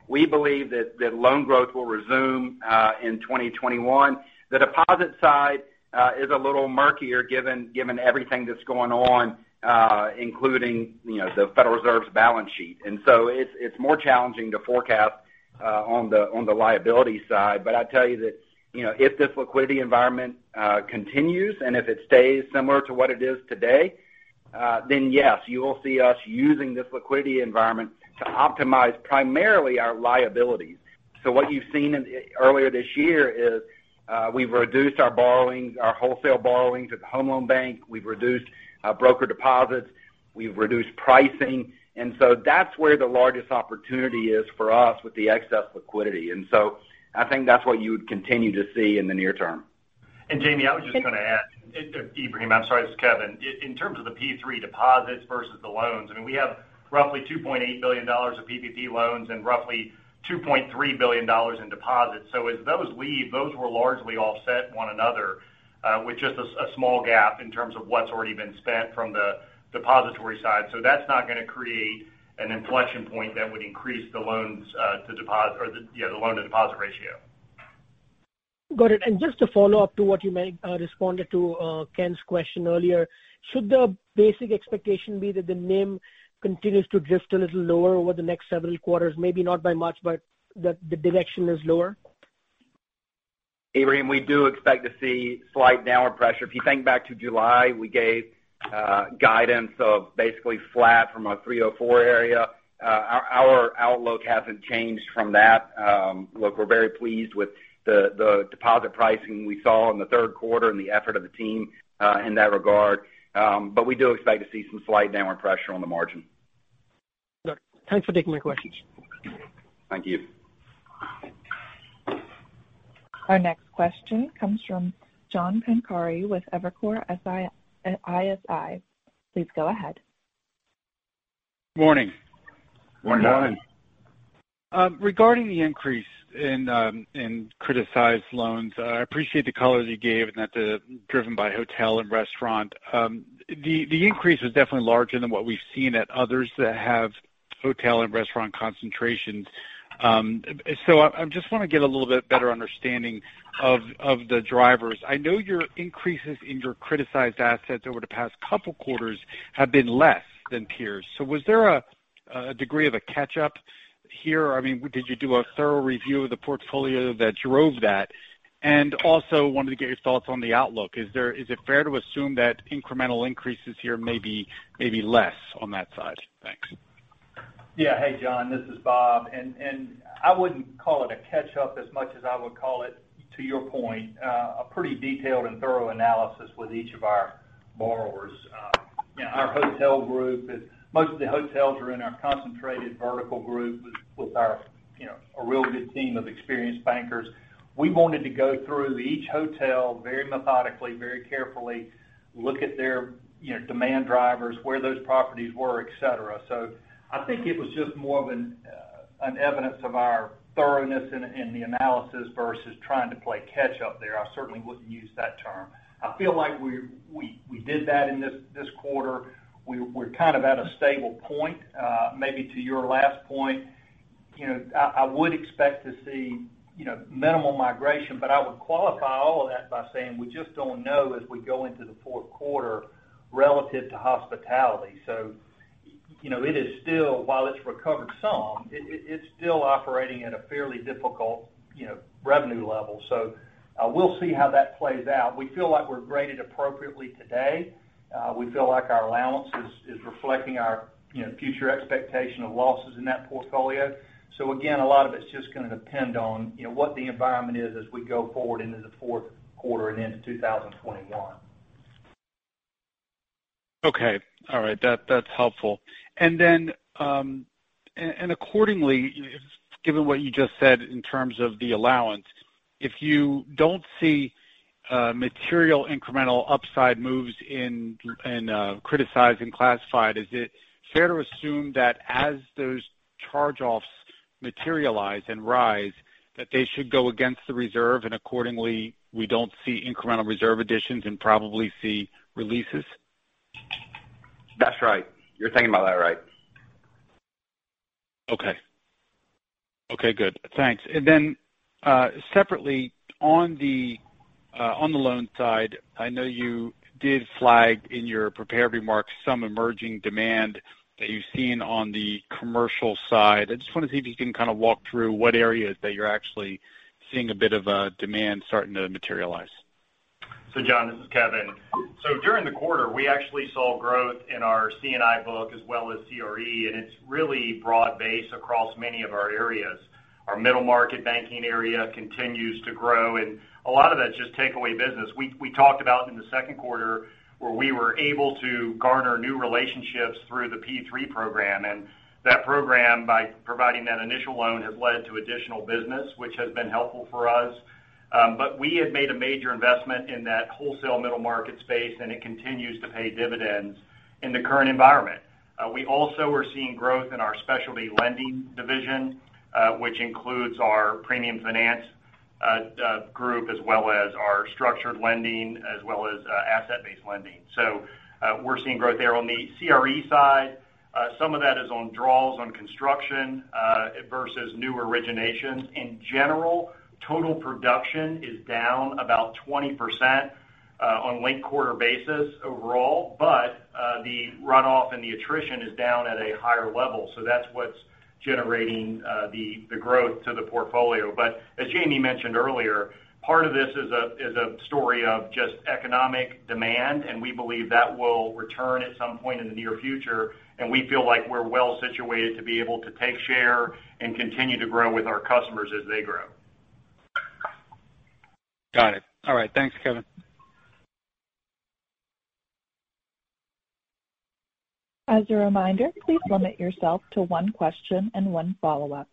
We believe that loan growth will resume in 2021. The deposit side is a little murkier given everything that's going on, including the Federal Reserve's balance sheet. It's more challenging to forecast on the liability side. I'd tell you that if this liquidity environment continues, and if it stays similar to what it is today, then yes, you will see us using this liquidity environment to optimize primarily our liabilities. What you've seen earlier this year is we've reduced our borrowings, our wholesale borrowings at the home loan bank. We've reduced our broker deposits. We've reduced pricing. That's where the largest opportunity is for us with the excess liquidity. I think that's what you would continue to see in the near term. Ebrahim, I'm sorry. It's Kevin. In terms of the PPP deposits versus the loans, I mean, we have roughly $2.8 billion of PPP loans and roughly $2.3 billion in deposits. As those leave, those will largely offset one another with just a small gap in terms of what's already been spent from the depository side. That's not going to create an inflection point that would increase the loan-to-deposit ratio. Got it. Just to follow up to what you responded to Ken's question earlier, should the basic expectation be that the NIM continues to drift a little lower over the next several quarters? Maybe not by much, but that the direction is lower? Ebrahim, we do expect to see slight downward pressure. If you think back to July, we gave guidance of basically flat from a 304 area. Our outlook hasn't changed from that. Look, we're very pleased with the deposit pricing we saw in the third quarter and the effort of the team in that regard. We do expect to see some slight downward pressure on the margin. Good. Thanks for taking my questions. Thank you. Our next question comes from John Pancari with Evercore ISI. Please go ahead. Morning. Morning. Morning. Regarding the increase in criticized loans, I appreciate the color that you gave and that they're driven by hotel and restaurant. The increase was definitely larger than what we've seen at others that have hotel and restaurant concentrations. I just want to get a little bit better understanding of the drivers. I know your increases in your criticized assets over the past couple quarters have been less than peers. Was there a degree of a catch-up here? I mean, did you do a thorough review of the portfolio that drove that? Also wanted to get your thoughts on the outlook. Is it fair to assume that incremental increases here may be less on that side? Thanks. Yeah. Hey, John, this is Bob. I wouldn't call it a catch-up as much as I would call it, to your point, a pretty detailed and thorough analysis with each of our borrowers. Most of the hotels are in our concentrated vertical group with a real good team of experienced bankers. We wanted to go through each hotel very methodically, very carefully, look at their demand drivers, where those properties were, et cetera. I think it was just more of an evidence of our thoroughness in the analysis versus trying to play catch-up there. I certainly wouldn't use that term. I feel like we did that in this quarter. We're kind of at a stable point. Maybe to your last point I would expect to see minimal migration, but I would qualify all of that by saying, we just don't know as we go into the fourth quarter relative to hospitality. While it's recovered some, it's still operating at a fairly difficult revenue level. We'll see how that plays out. We feel like we're graded appropriately today. We feel like our allowance is reflecting our future expectation of losses in that portfolio. Again, a lot of it's just going to depend on what the environment is as we go forward into the fourth quarter and into 2021. Okay. All right. That's helpful. Accordingly, given what you just said in terms of the allowance, if you don't see material incremental upside moves in criticized and classified, is it fair to assume that as those charge-offs materialize and rise, that they should go against the reserve, and accordingly, we don't see incremental reserve additions and probably see releases? That's right. You're thinking about that right. Okay. Okay, good. Thanks. Separately, on the loan side, I know you did flag in your prepared remarks some emerging demand that you've seen on the commercial side. I just want to see if you can kind of walk through what areas that you're actually seeing a bit of a demand starting to materialize. John, this is Kevin. During the quarter, we actually saw growth in our C&I book as well as CRE, and it's really broad-based across many of our areas. Our middle market banking area continues to grow, and a lot of that's just takeaway business. We talked about in the second quarter where we were able to garner new relationships through the PPP program. That program, by providing that initial loan, has led to additional business, which has been helpful for us. We had made a major investment in that wholesale middle market space, and it continues to pay dividends in the current environment. We also are seeing growth in our specialty lending division, which includes our premium finance group, as well as our structured lending, as well as asset-based lending. We're seeing growth there on the CRE side. Some of that is on draws on construction versus new originations. In general, total production is down about 20% on linked quarter basis overall. The runoff and the attrition is down at a higher level, that's what's generating the growth to the portfolio. As Jamie mentioned earlier, part of this is a story of just economic demand, we believe that will return at some point in the near future, we feel like we're well situated to be able to take share and continue to grow with our customers as they grow. Got it. All right. Thanks, Kevin. As a reminder, please limit yourself to one question and one follow-up.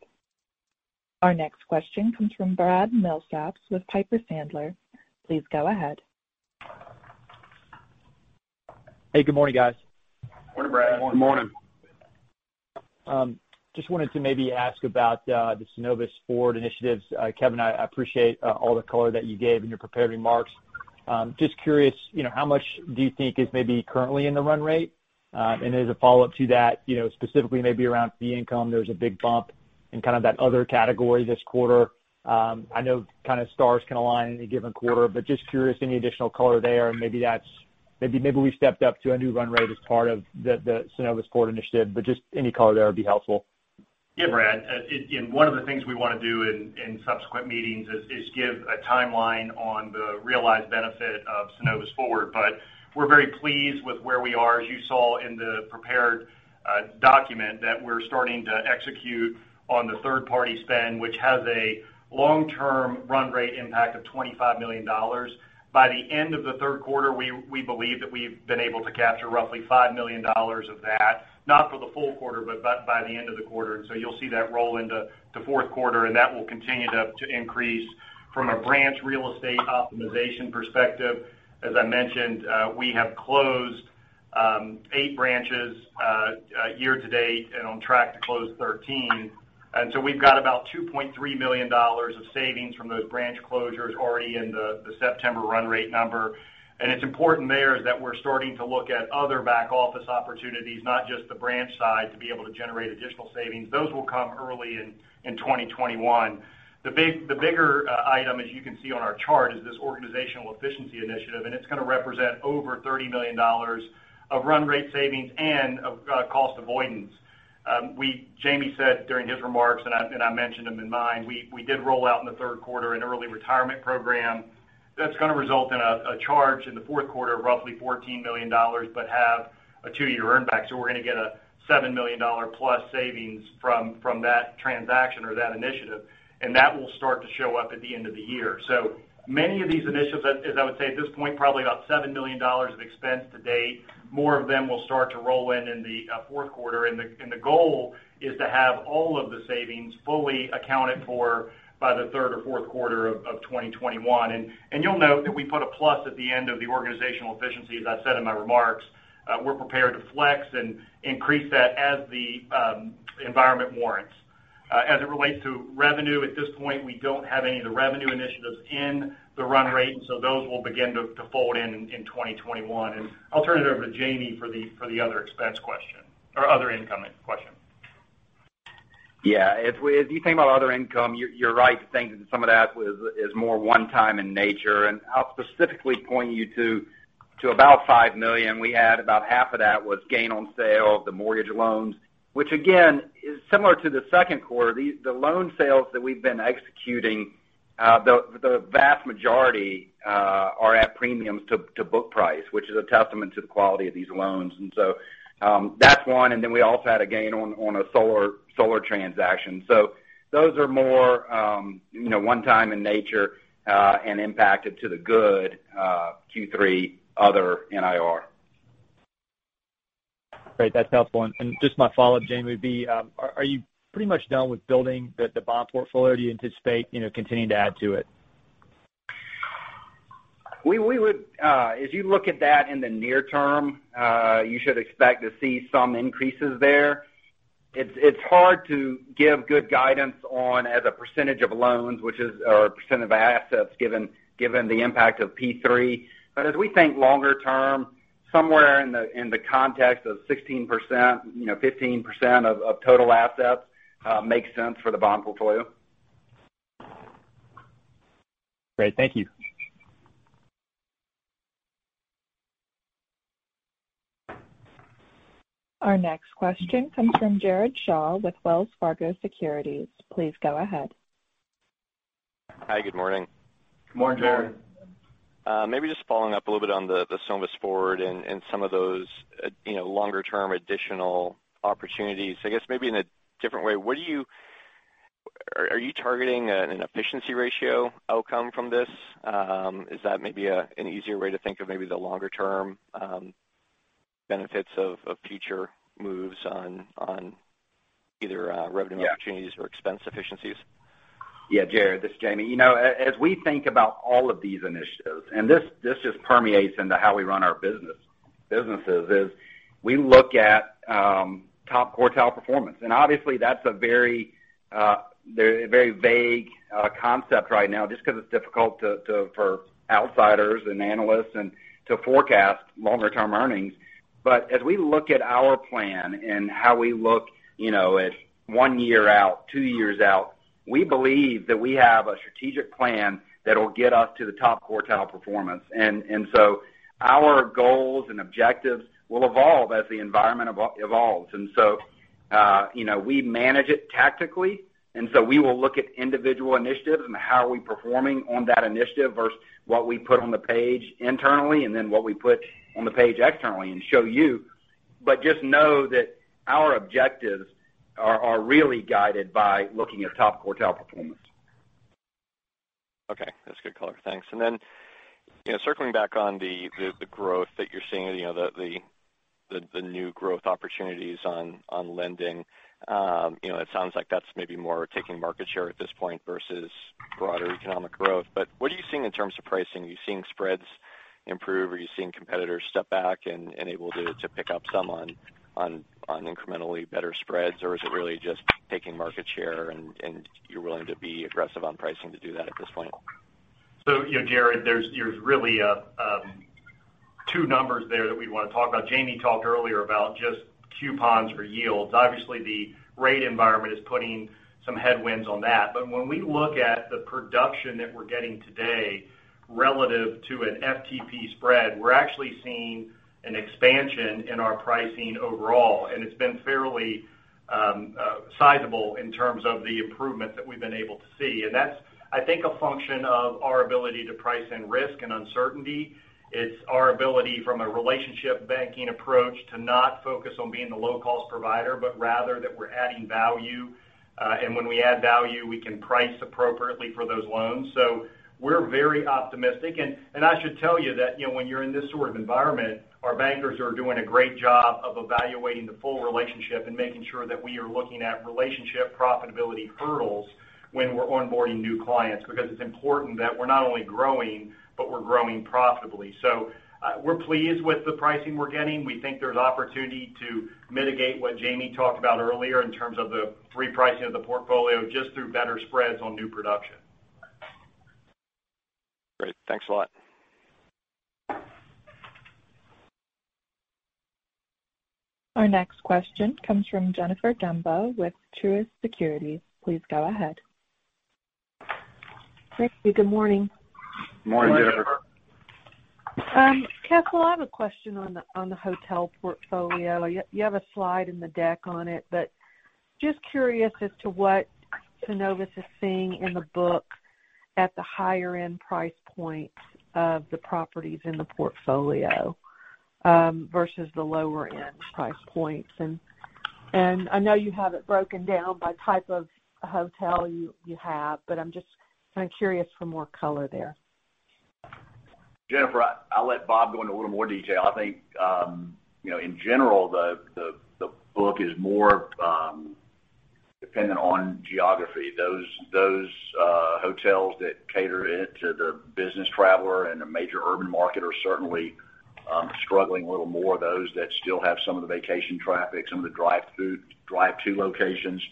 Our next question comes from Brad Milsaps with Piper Sandler. Please go ahead. Hey, good morning, guys. Morning, Brad. Good morning. Just wanted to maybe ask about the Synovus Forward initiatives. Kevin, I appreciate all the color that you gave in your prepared remarks. Just curious, how much do you think is maybe currently in the run rate? As a follow-up to that, specifically maybe around fee income, there was a big bump in kind of that other category this quarter. I know kind of stars can align in a given quarter, but just curious, any additional color there? Maybe we stepped up to a new run rate as part of the Synovus Forward initiative, but just any color there would be helpful. Yeah, Brad. One of the things we want to do in subsequent meetings is give a timeline on the realized benefit of Synovus Forward. We're very pleased with where we are. As you saw in the prepared document that we're starting to execute on the third-party spend, which has a long-term run rate impact of $25 million. By the end of the third quarter, we believe that we've been able to capture roughly $5 million of that, not for the full quarter, but by the end of the quarter. You'll see that roll into the fourth quarter, and that will continue to increase from a branch real estate optimization perspective. As I mentioned, we have closed eight branches year to date and on track to close 13. We've got about $2.3 million of savings from those branch closures already in the September run rate number. It's important there that we're starting to look at other back office opportunities, not just the branch side, to be able to generate additional savings. Those will come early in 2021. The bigger item, as you can see on our chart, is this organizational efficiency initiative, and it's going to represent over $30 million of run rate savings and of cost avoidance. Jamie said during his remarks, and I mentioned them in mine, we did roll out in the third quarter an early retirement program that's going to result in a charge in the fourth quarter of roughly $14 million, but have a two-year earn back. We're going to get a $7 million+ savings from that transaction or that initiative, and that will start to show up at the end of the year. Many of these initiatives, as I would say at this point, probably about $7 million of expense to date. More of them will start to roll in in the fourth quarter, and the goal is to have all of the savings fully accounted for by the third or fourth quarter of 2021. You'll note that we put a plus at the end of the organizational efficiency. As I said in my remarks, we're prepared to flex and increase that as the environment warrants. As it relates to revenue, at this point, we don't have any of the revenue initiatives in the run rate, so those will begin to fold in in 2021. I'll turn it over to Jamie for the other incoming question. Yeah. If you think about other income, you're right to think that some of that is more one time in nature. I'll specifically point you to about $5 million. We had about half of that was gain on sale of the mortgage loans, which again, is similar to the second quarter. The loan sales that we've been executing, the vast majority are at premiums to book price, which is a testament to the quality of these loans. That's one. Then we also had a gain on a solar transaction. Those are more one time in nature, and impacted to the good Q3 other NIR. Great. That's helpful. Just my follow-up, Jamie, would be, are you pretty much done with building the bond portfolio? Do you anticipate continuing to add to it? As you look at that in the near term, you should expect to see some increases there. It's hard to give good guidance on as a percentage of loans, which is a percentage of assets, given the impact of PPP. As we think longer term, somewhere in the context of 16%, 15% of total assets makes sense for the bond portfolio. Great. Thank you. Our next question comes from Jared Shaw with Wells Fargo Securities. Please go ahead. Hi, good morning. Good morning, Jared. Maybe just following up a little bit on the Synovus Forward and some of those longer term additional opportunities. I guess maybe in a different way, are you targeting an efficiency ratio outcome from this? Is that maybe an easier way to think of maybe the longer term benefits of future moves on either revenue opportunities or expense efficiencies? Jared, this is Jamie. As we think about all of these initiatives, and this just permeates into how we run our businesses, is we look at top quartile performance. Obviously, that's a very vague concept right now just because it's difficult for outsiders and analysts to forecast longer term earnings. As we look at our plan and how we look at one year out, two years out, we believe that we have a strategic plan that'll get us to the top quartile performance. Our goals and objectives will evolve as the environment evolves. We manage it tactically, and so we will look at individual initiatives and how are we performing on that initiative versus what we put on the page internally, and then what we put on the page externally and show you. Just know that our objectives are really guided by looking at top quartile performance. Okay. That's good color. Thanks. Circling back on the growth that you're seeing, the new growth opportunities on lending. It sounds like that's maybe more taking market share at this point versus broader economic growth. What are you seeing in terms of pricing? Are you seeing spreads improve? Are you seeing competitors step back and able to pick up some on incrementally better spreads? Is it really just taking market share, and you're willing to be aggressive on pricing to do that at this point? Jared, there's really two numbers there that we want to talk about. Jamie talked earlier about just coupons for yields. Obviously, the rate environment is putting some headwinds on that. When we look at the production that we're getting today relative to an FTP spread, we're actually seeing an expansion in our pricing overall, and it's been fairly sizable in terms of the improvement that we've been able to see. That's, I think, a function of our ability to price in risk and uncertainty. It's our ability from a relationship banking approach to not focus on being the low cost provider, but rather that we're adding value. When we add value, we can price appropriately for those loans. We're very optimistic. I should tell you that when you're in this sort of environment, our bankers are doing a great job of evaluating the full relationship and making sure that we are looking at relationship profitability hurdles when we're onboarding new clients, because it's important that we're not only growing, but we're growing profitably. We're pleased with the pricing we're getting. We think there's opportunity to mitigate what Jamie talked about earlier in terms of the repricing of the portfolio, just through better spreads on new production. Great. Thanks a lot. Our next question comes from Jennifer Demba with Truist Securities. Please go ahead. Thanks, good morning. Morning, Jennifer. Kessel, I have a question on the hotel portfolio. You have a slide in the deck on it, but just curious as to what Synovus is seeing in the book at the higher end price points of the properties in the portfolio versus the lower end price points. I know you have it broken down by type of hotel you have, but I'm just kind of curious for more color there. Jennifer, I'll let Bob go into a little more detail. I think, in general, the book is more dependent on geography. Those hotels that cater it to the business traveler and the major urban market are certainly struggling a little more. Those that still have some of the vacation traffic, some of the drive-to locations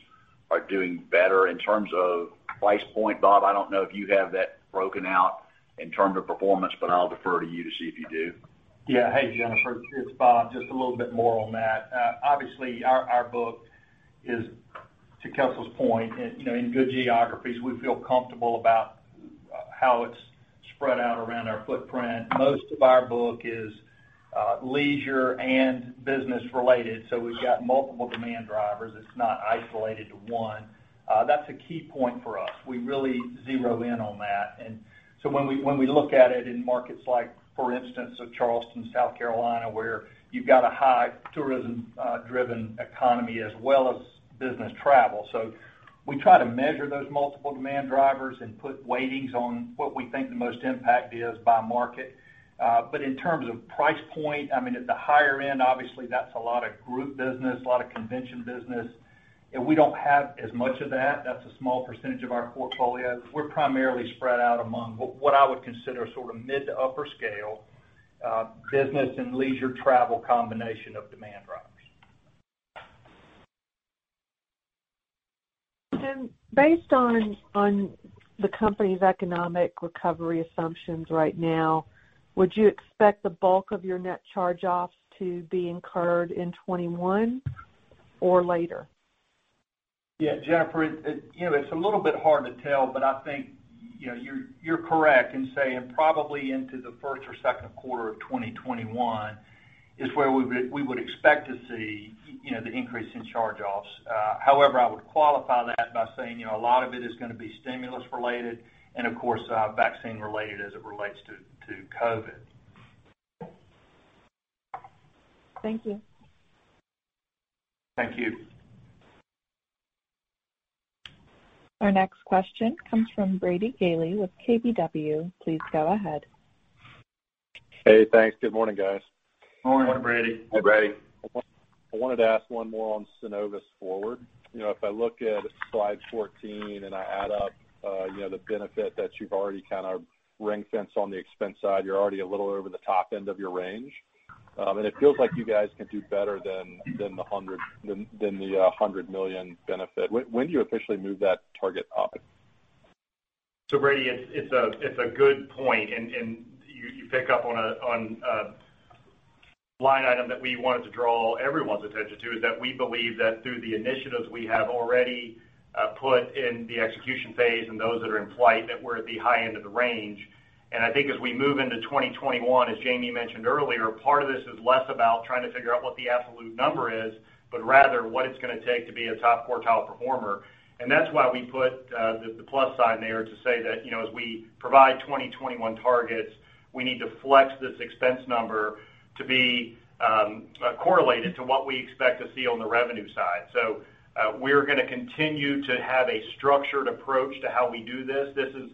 are doing In terms of price point, Bob, I don't know if you have that broken out in terms of performance, but I'll defer to you to see if you do. Yeah. Hey, Jennifer, it's Bob. Just a little bit more on that. Obviously, our book is, to Kessel's point, in good geographies. We feel comfortable about how it's spread out around our footprint. Most of our book is leisure and business related, so we've got multiple demand drivers. It's not isolated to one. That's a key point for us. We really zero in on that. When we look at it in markets like, for instance, Charleston, South Carolina, where you've got a high tourism-driven economy as well as business travel. We try to measure those multiple demand drivers and put weightings on what we think the most impact is by market. In terms of price point, at the higher end, obviously, that's a lot of group business, a lot of convention business, and we don't have as much of that. That's a small percentage of our portfolio. We're primarily spread out among what I would consider sort of mid to upper scale business and leisure travel combination of demand drivers. Based on the company's economic recovery assumptions right now, would you expect the bulk of your net charge-offs to be incurred in 2021 or later? Yeah, Jennifer, it's a little bit hard to tell, I think you're correct in saying probably into the first or second quarter of 2021 is where we would expect to see the increase in charge-offs. I would qualify that by saying a lot of it is going to be stimulus related and, of course, vaccine related as it relates to COVID. Thank you. Thank you. Our next question comes from Brady Gailey with KBW. Please go ahead. Hey, thanks. Good morning, guys. Morning, Brady. Hi, Brady. I wanted to ask one more on Synovus Forward. If I look at slide 14 and I add up the benefit that you've already kind of ring-fence on the expense side, you're already a little over the top end of your range. It feels like you guys can do better than the $100 million benefit. When do you officially move that target up? Brady, it's a good point, and you pick up on a line item that we wanted to draw everyone's attention to, is that we believe that through the initiatives we have already put in the execution phase and those that are in flight, that we're at the high end of the range. I think as we move into 2021, as Jamie mentioned earlier, part of this is less about trying to figure out what the absolute number is, but rather what it's going to take to be a top quartile performer. That's why we put the plus sign there to say that as we provide 2021 targets, we need to flex this expense number to be correlated to what we expect to see on the revenue side. We're going to continue to have a structured approach to how we do this. This is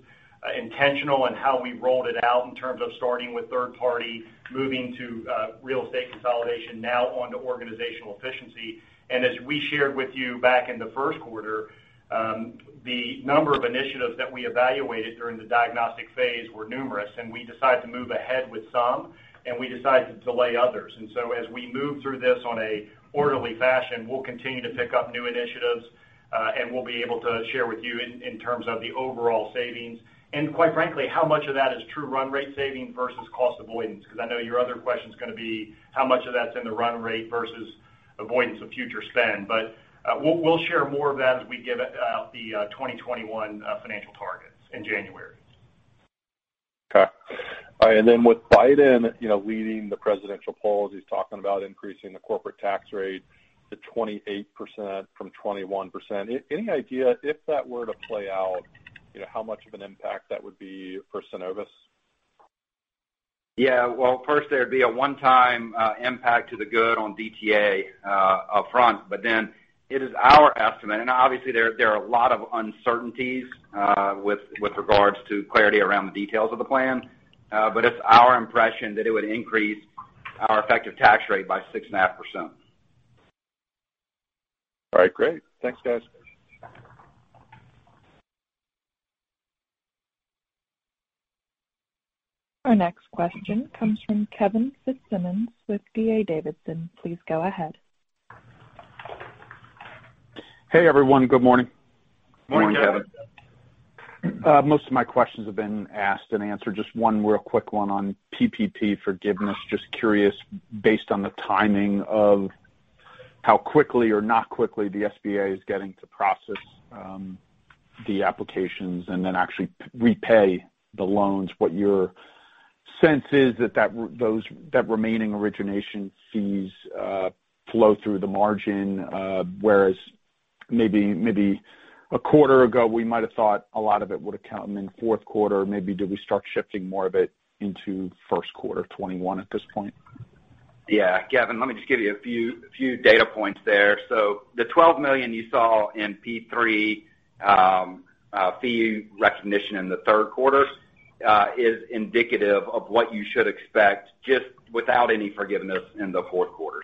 intentional in how we rolled it out in terms of starting with third party, moving to real estate consolidation, now on to organizational efficiency. As we shared with you back in the first quarter, the number of initiatives that we evaluated during the diagnostic phase were numerous, and we decided to move ahead with some, and we decided to delay others. As we move through this on a orderly fashion, we'll continue to pick up new initiatives, and we'll be able to share with you in terms of the overall savings. Quite frankly, how much of that is true run rate saving versus cost avoidance? Because I know your other question's going to be how much of that's in the run rate versus avoidance of future spend. We'll share more of that as we give out the 2021 financial targets in January. Okay. All right, with Biden leading the presidential polls, he's talking about increasing the corporate tax rate to 28% from 21%. Any idea if that were to play out, how much of an impact that would be for Synovus? Yeah. Well, first, there'd be a one-time impact to the good on DTA upfront, but then it is our estimate, and obviously there are a lot of uncertainties with regards to clarity around the details of the plan, but it's our impression that it would increase our effective tax rate by 6.5%. All right, great. Thanks, guys. Our next question comes from Kevin Fitzsimmons with D.A. Davidson. Please go ahead. Hey, everyone. Good morning. Morning, Kevin. Morning. Most of my questions have been asked and answered. Just one real quick one on PPP forgiveness. Just curious, based on the timing of how quickly or not quickly the SBA is getting to process the applications and then actually repay the loans, what your sense is that remaining origination fees flow through the margin. Whereas maybe a quarter ago, we might've thought a lot of it would've come in fourth quarter. Maybe do we start shifting more of it into first quarter 2021 at this point? Yeah. Kevin, let me just give you a few data points there. The $12 million you saw in PPP fee recognition in the third quarter is indicative of what you should expect just without any forgiveness in the fourth quarter.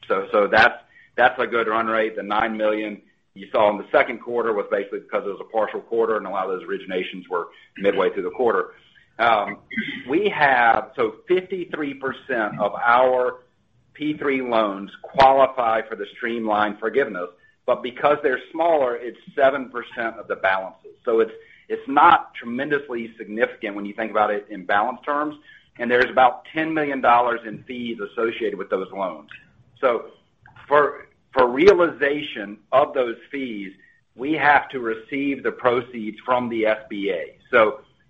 That's a good run rate. The $9 million you saw in the second quarter was basically because it was a partial quarter and a lot of those originations were midway through the quarter. 53% of our PPP loans qualify for the streamlined forgiveness, but because they're smaller, it's 7% of the balances. It's not tremendously significant when you think about it in balance terms, and there's about $10 million in fees associated with those loans. For realization of those fees, we have to receive the proceeds from the SBA.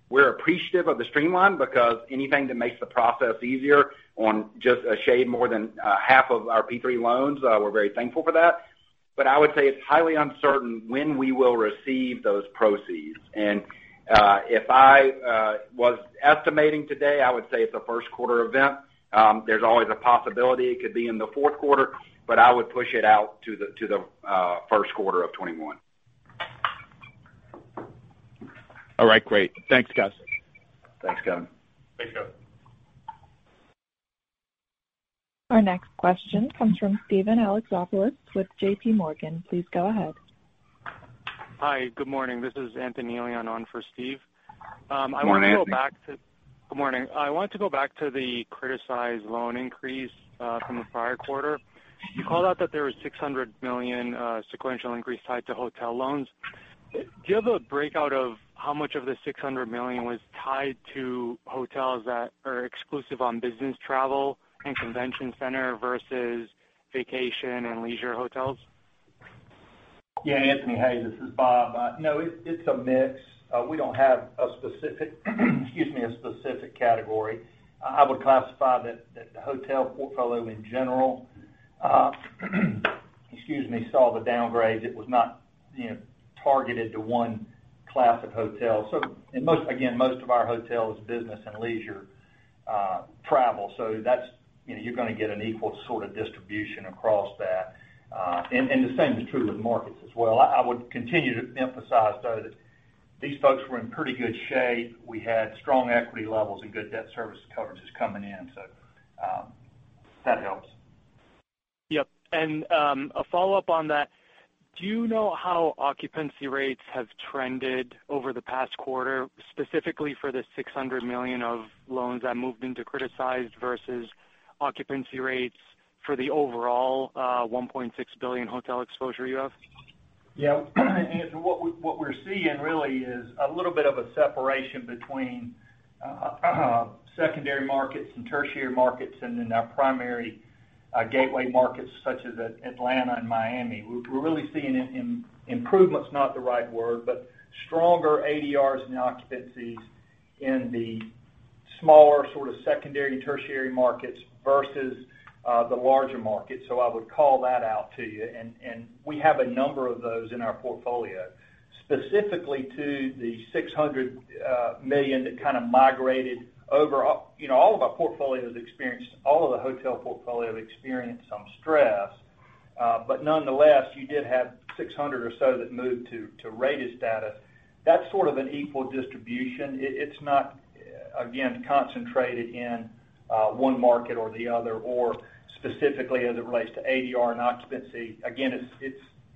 We're appreciative of the streamline because anything that makes the process easier on just a shade more than half of our PPP loans, we're very thankful for that. I would say it's highly uncertain when we will receive those proceeds. If I was estimating today, I would say it's a first quarter event. There's always a possibility it could be in the fourth quarter, but I would push it out to the first quarter of 2021. All right, great. Thanks, guys. Thanks, Kevin. Thanks, Kevin. Our next question comes from Steven Alexopoulos with JPMorgan. Please go ahead. Hi, good morning. This is Anthony Elian on for Steve. Good morning, Anthony. Good morning. I wanted to go back to the criticized loan increase from the prior quarter. You called out that there was $600 million sequential increase tied to hotel loans. Do you have a breakout of how much of the $600 million was tied to hotels that are exclusive on business travel and convention center versus vacation and leisure hotels? Yeah, Anthony. Hey, this is Bob. No, it's a mix. We don't have a specific category. I would classify that the hotel portfolio in general saw the downgrade. It was not targeted to one class of hotels. Again, most of our hotel is business and leisure travel. You're going to get an equal sort of distribution across that. The same is true with markets as well. I would continue to emphasize, though, that these folks were in pretty good shape. We had strong equity levels and good debt service coverages coming in, so that helps. Yep. a follow-up on that, do you know how occupancy rates have trended over the past quarter, specifically for the $600 million of loans that moved into criticized versus occupancy rates for the overall $1.6 billion hotel exposure you have? Yeah, Anthony, what we're seeing really is a little bit of a separation between secondary markets and tertiary markets, and then our primary gateway markets such as Atlanta and Miami. We're really seeing, improvement's not the right word, but stronger ADRs and occupancies in the smaller sort of secondary and tertiary markets versus the larger markets. I would call that out to you. We have a number of those in our portfolio. Specifically to the $600 million that kind of migrated over. All of our portfolio has experienced, all of the hotel portfolio have experienced some stress. Nonetheless, you did have $600 million or so that moved to rated status. That's sort of an equal distribution. It's not, again, concentrated in one market or the other, or specifically as it relates to ADR and occupancy. Again,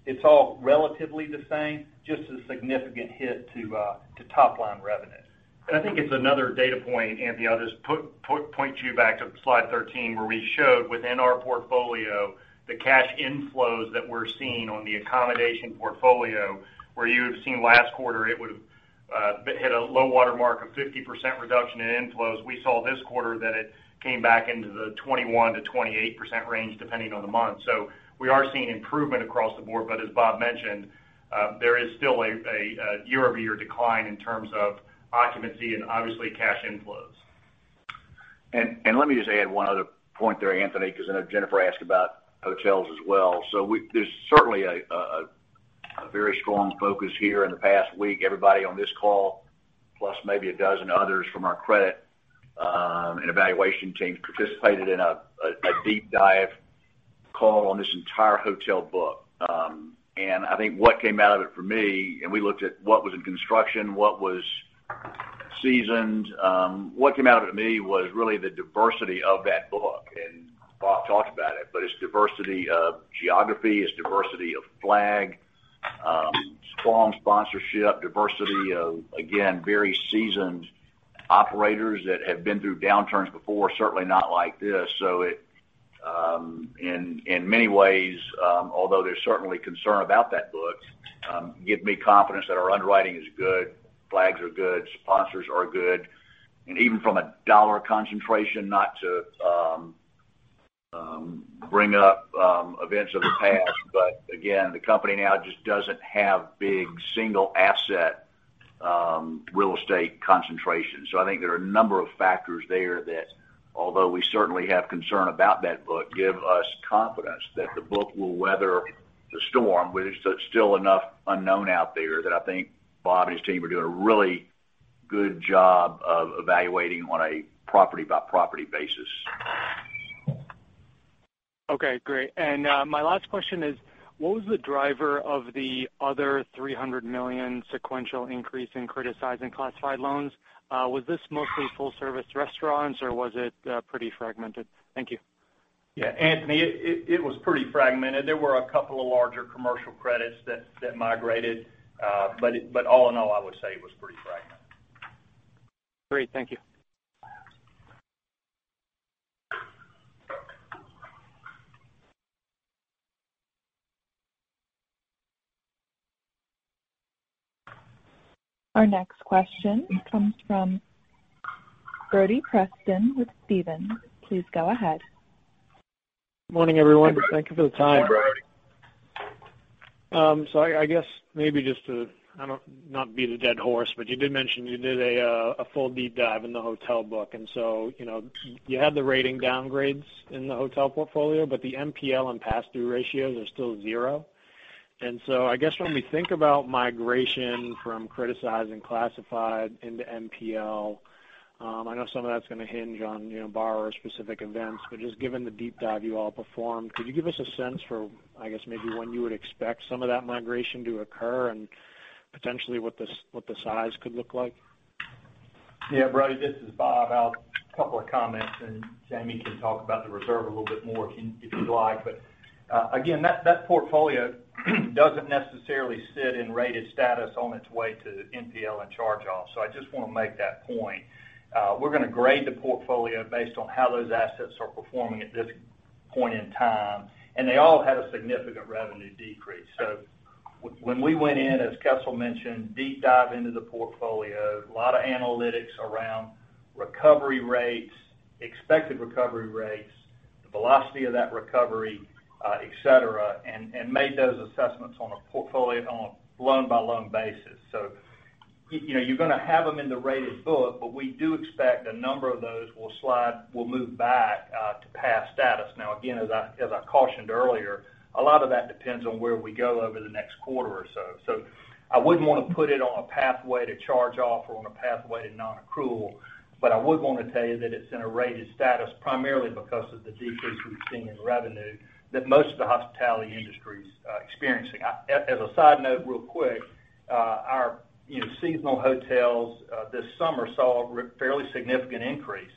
it's all relatively the same, just a significant hit to top-line revenue. I think it's another data point, Anthony. I'll just point you back to slide 13, where we showed within our portfolio the cash inflows that we're seeing on the accommodation portfolio, where you have seen last quarter, it would hit a low water mark of 50% reduction in inflows. We saw this quarter that it came back into the 21%-28% range, depending on the month. We are seeing improvement across the board, but as Bob mentioned, there is still a year-over-year decline in terms of occupancy and obviously cash inflows. Let me just add one other point there, Anthony, because I know Jennifer asked about hotels as well. there's certainly a very strong focus here in the past week. Everybody on this call, plus maybe a dozen others from our credit and evaluation teams participated in a deep dive call on this entire hotel book. I think what came out of it for me, and we looked at what was in construction, what was seasoned. What came out of it for me was really the diversity of that book, and Bob talked about it, but it's diversity of geography, it's diversity of flag, strong sponsorship, diversity of, again, very seasoned operators that have been through downturns before, certainly not like this. in many ways, although there's certainly concern about that book, give me confidence that our underwriting is good, flags are good, sponsors are good. Even from a dollar concentration, not to bring up events of the past, but again, the company now just doesn't have big single-asset real estate concentration. I think there are a number of factors there that although we certainly have concern about that book, give us confidence that the book will weather the storm. There's still enough unknown out there that I think Bob and his team are doing a really good job of evaluating on a property-by-property basis. Okay, great. My last question is, what was the driver of the other $300 million sequential increase in criticized and classified loans? Was this mostly full-service restaurants, or was it pretty fragmented? Thank you. Yeah, Anthony, it was pretty fragmented. There were a couple of larger commercial credits that migrated. all in all, I would say it was pretty fragmented Great. Thank you. Our next question comes from Brody Preston with Stephens. Please go ahead. Morning, everyone. Thank you for the time. Morning, Brody. I guess maybe just to, I don't not beat a dead horse, but you did mention you did a full deep dive in the hotel book, and so you had the rating downgrades in the hotel portfolio, but the NPL and past due ratios are still zero. I guess when we think about migration from criticizing classified into NPL, I know some of that's going to hinge on borrower-specific events. Just given the deep dive you all performed, could you give us a sense for, I guess, maybe when you would expect some of that migration to occur and potentially what the size could look like? Yeah. Brody, this is Bob. A couple of comments, and Jamie can talk about the reserve a little bit more if you'd like. Again, that portfolio doesn't necessarily sit in rated status on its way to NPL and charge-off. I just want to make that point. We're going to grade the portfolio based on how those assets are performing at this point in time. They all had a significant revenue decrease. When we went in, as Kessel mentioned, deep dive into the portfolio, a lot of analytics around recovery rates, expected recovery rates, the velocity of that recovery, et cetera, and made those assessments on a loan-by-loan basis. You're going to have them in the rated book, but we do expect a number of those will move back to pass status. Now, again, as I cautioned earlier, a lot of that depends on where we go over the next quarter or so. I wouldn't want to put it on a pathway to charge off or on a pathway to non-accrual, but I would want to tell you that it's in a rated status primarily because of the decrease we've seen in revenue that most of the hospitality industry is experiencing. As a side note real quick, our seasonal hotels this summer saw a fairly significant increase.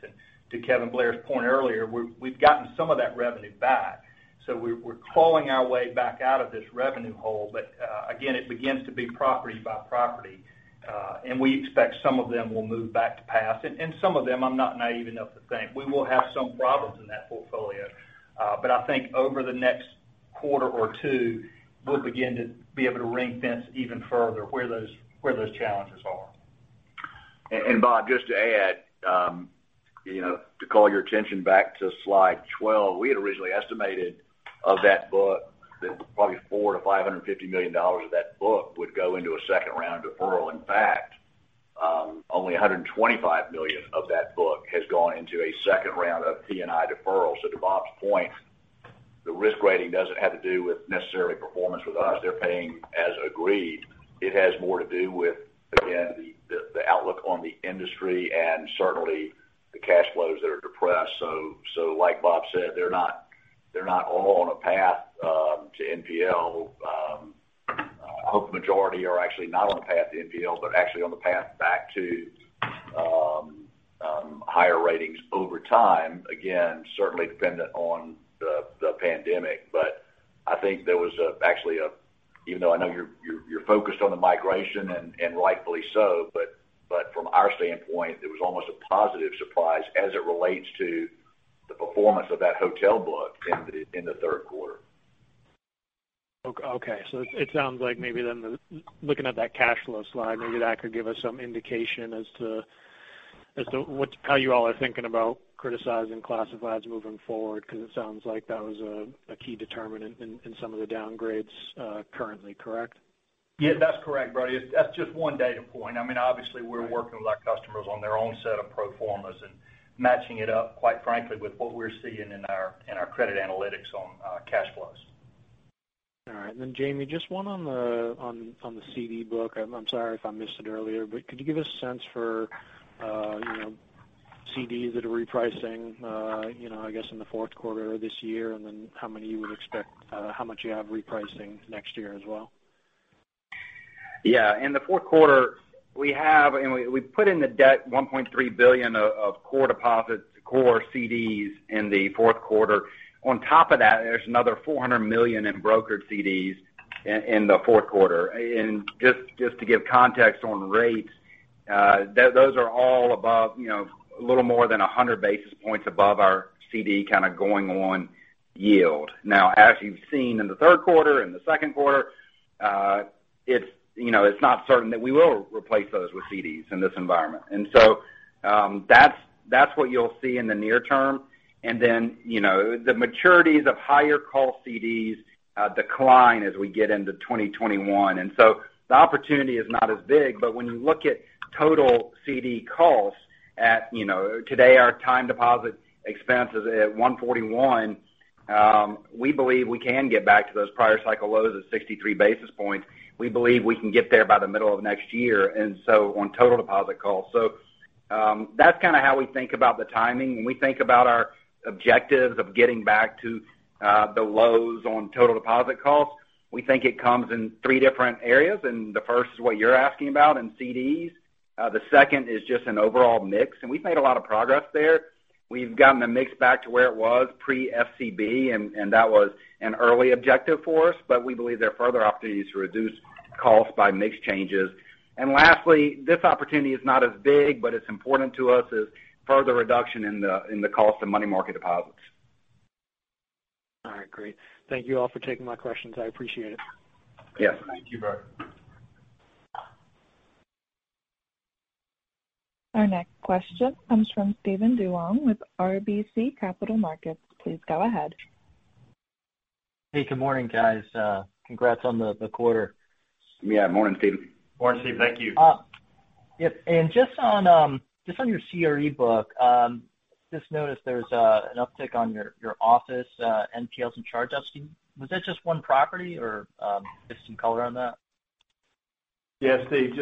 To Kevin Blair's point earlier, we've gotten some of that revenue back. We're crawling our way back out of this revenue hole. Again, it begins to be property by property. We expect some of them will move back to pass. Some of them, I'm not naive enough to think we won't have some problems in that portfolio. I think over the next quarter or two, we'll begin to be able to ring-fence even further where those challenges are. Bob, just to add, to call your attention back to slide 12, we had originally estimated of that book that probably $450 million-$550 million of that book would go into a second round of deferral. In fact, only $125 million of that book has gone into a second round of P&I deferral. To Bob's point, the risk rating doesn't have to do with necessarily performance with us. They're paying as agreed. It has more to do with, again, the outlook on the industry and certainly the cash flows that are depressed. Like Bob said, they're not all on a path to NPL. I hope the majority are actually not on a path to NPL, but actually on the path back to higher ratings over time. Again, certainly dependent on the pandemic. I think there was actually even though I know you're focused on the migration, and rightfully so, but from our standpoint, it was almost a positive surprise as it relates to the performance of that hotel book in the third quarter. Okay. It sounds like maybe then looking at that cash flow slide, maybe that could give us some indication as to how you all are thinking about criticized classifieds moving forward, because it sounds like that was a key determinant in some of the downgrades currently, correct? Yeah, that's correct, Brody. That's just one data point. Obviously we're working with our customers on their own set of pro formas and matching it up, quite frankly, with what we're seeing in our credit analytics on cash flows. All right. Jamie, just one on the CD book. I'm sorry if I missed it earlier, but could you give a sense for CDs that are repricing I guess in the fourth quarter of this year, and then how much you have repricing next year as well? Yeah. In the fourth quarter, we put in the deck $1.3 billion of core deposits, core CDs in the fourth quarter. On top of that, there's another $400 million in brokered CDs in the fourth quarter. Just to give context on rates, those are all above a little more than 100 basis points above our CD kind of going-in yield. Now, as you've seen in the third quarter, in the second quarter, it's not certain that we will replace those with CDs in this environment. That's what you'll see in the near term. Then the maturities of higher cost CDs decline as we get into 2021. So the opportunity is not as big, but when you look at total CD costs, today our time deposit expense is at 141. We believe we can get back to those prior cycle lows of 63 basis points. We believe we can get there by the middle of next year on total deposit costs. That's kind of how we think about the timing. When we think about our objectives of getting back to the lows on total deposit costs, we think it comes in three different areas, and the first is what you're asking about in CDs. The second is just an overall mix, and we've made a lot of progress there. We've gotten the mix back to where it was pre-FCB, and that was an early objective for us. We believe there are further opportunities to reduce costs by mix changes. Lastly, this opportunity is not as big, but it's important to us, is further reduction in the cost of money market deposits. All right. Great. Thank you all for taking my questions. I appreciate it. Yes. Thank you, Brody. Our next question comes from Steven Duong with RBC Capital Markets. Please go ahead. Hey, good morning, guys. Congrats on the quarter. Yeah, morning, Steven. Morning, Steven. Thank you. Yep. Just on your CRE book, just noticed there's an uptick on your office NPLs and charge-offs. Was that just one property or just some color on that? Yes, Steve.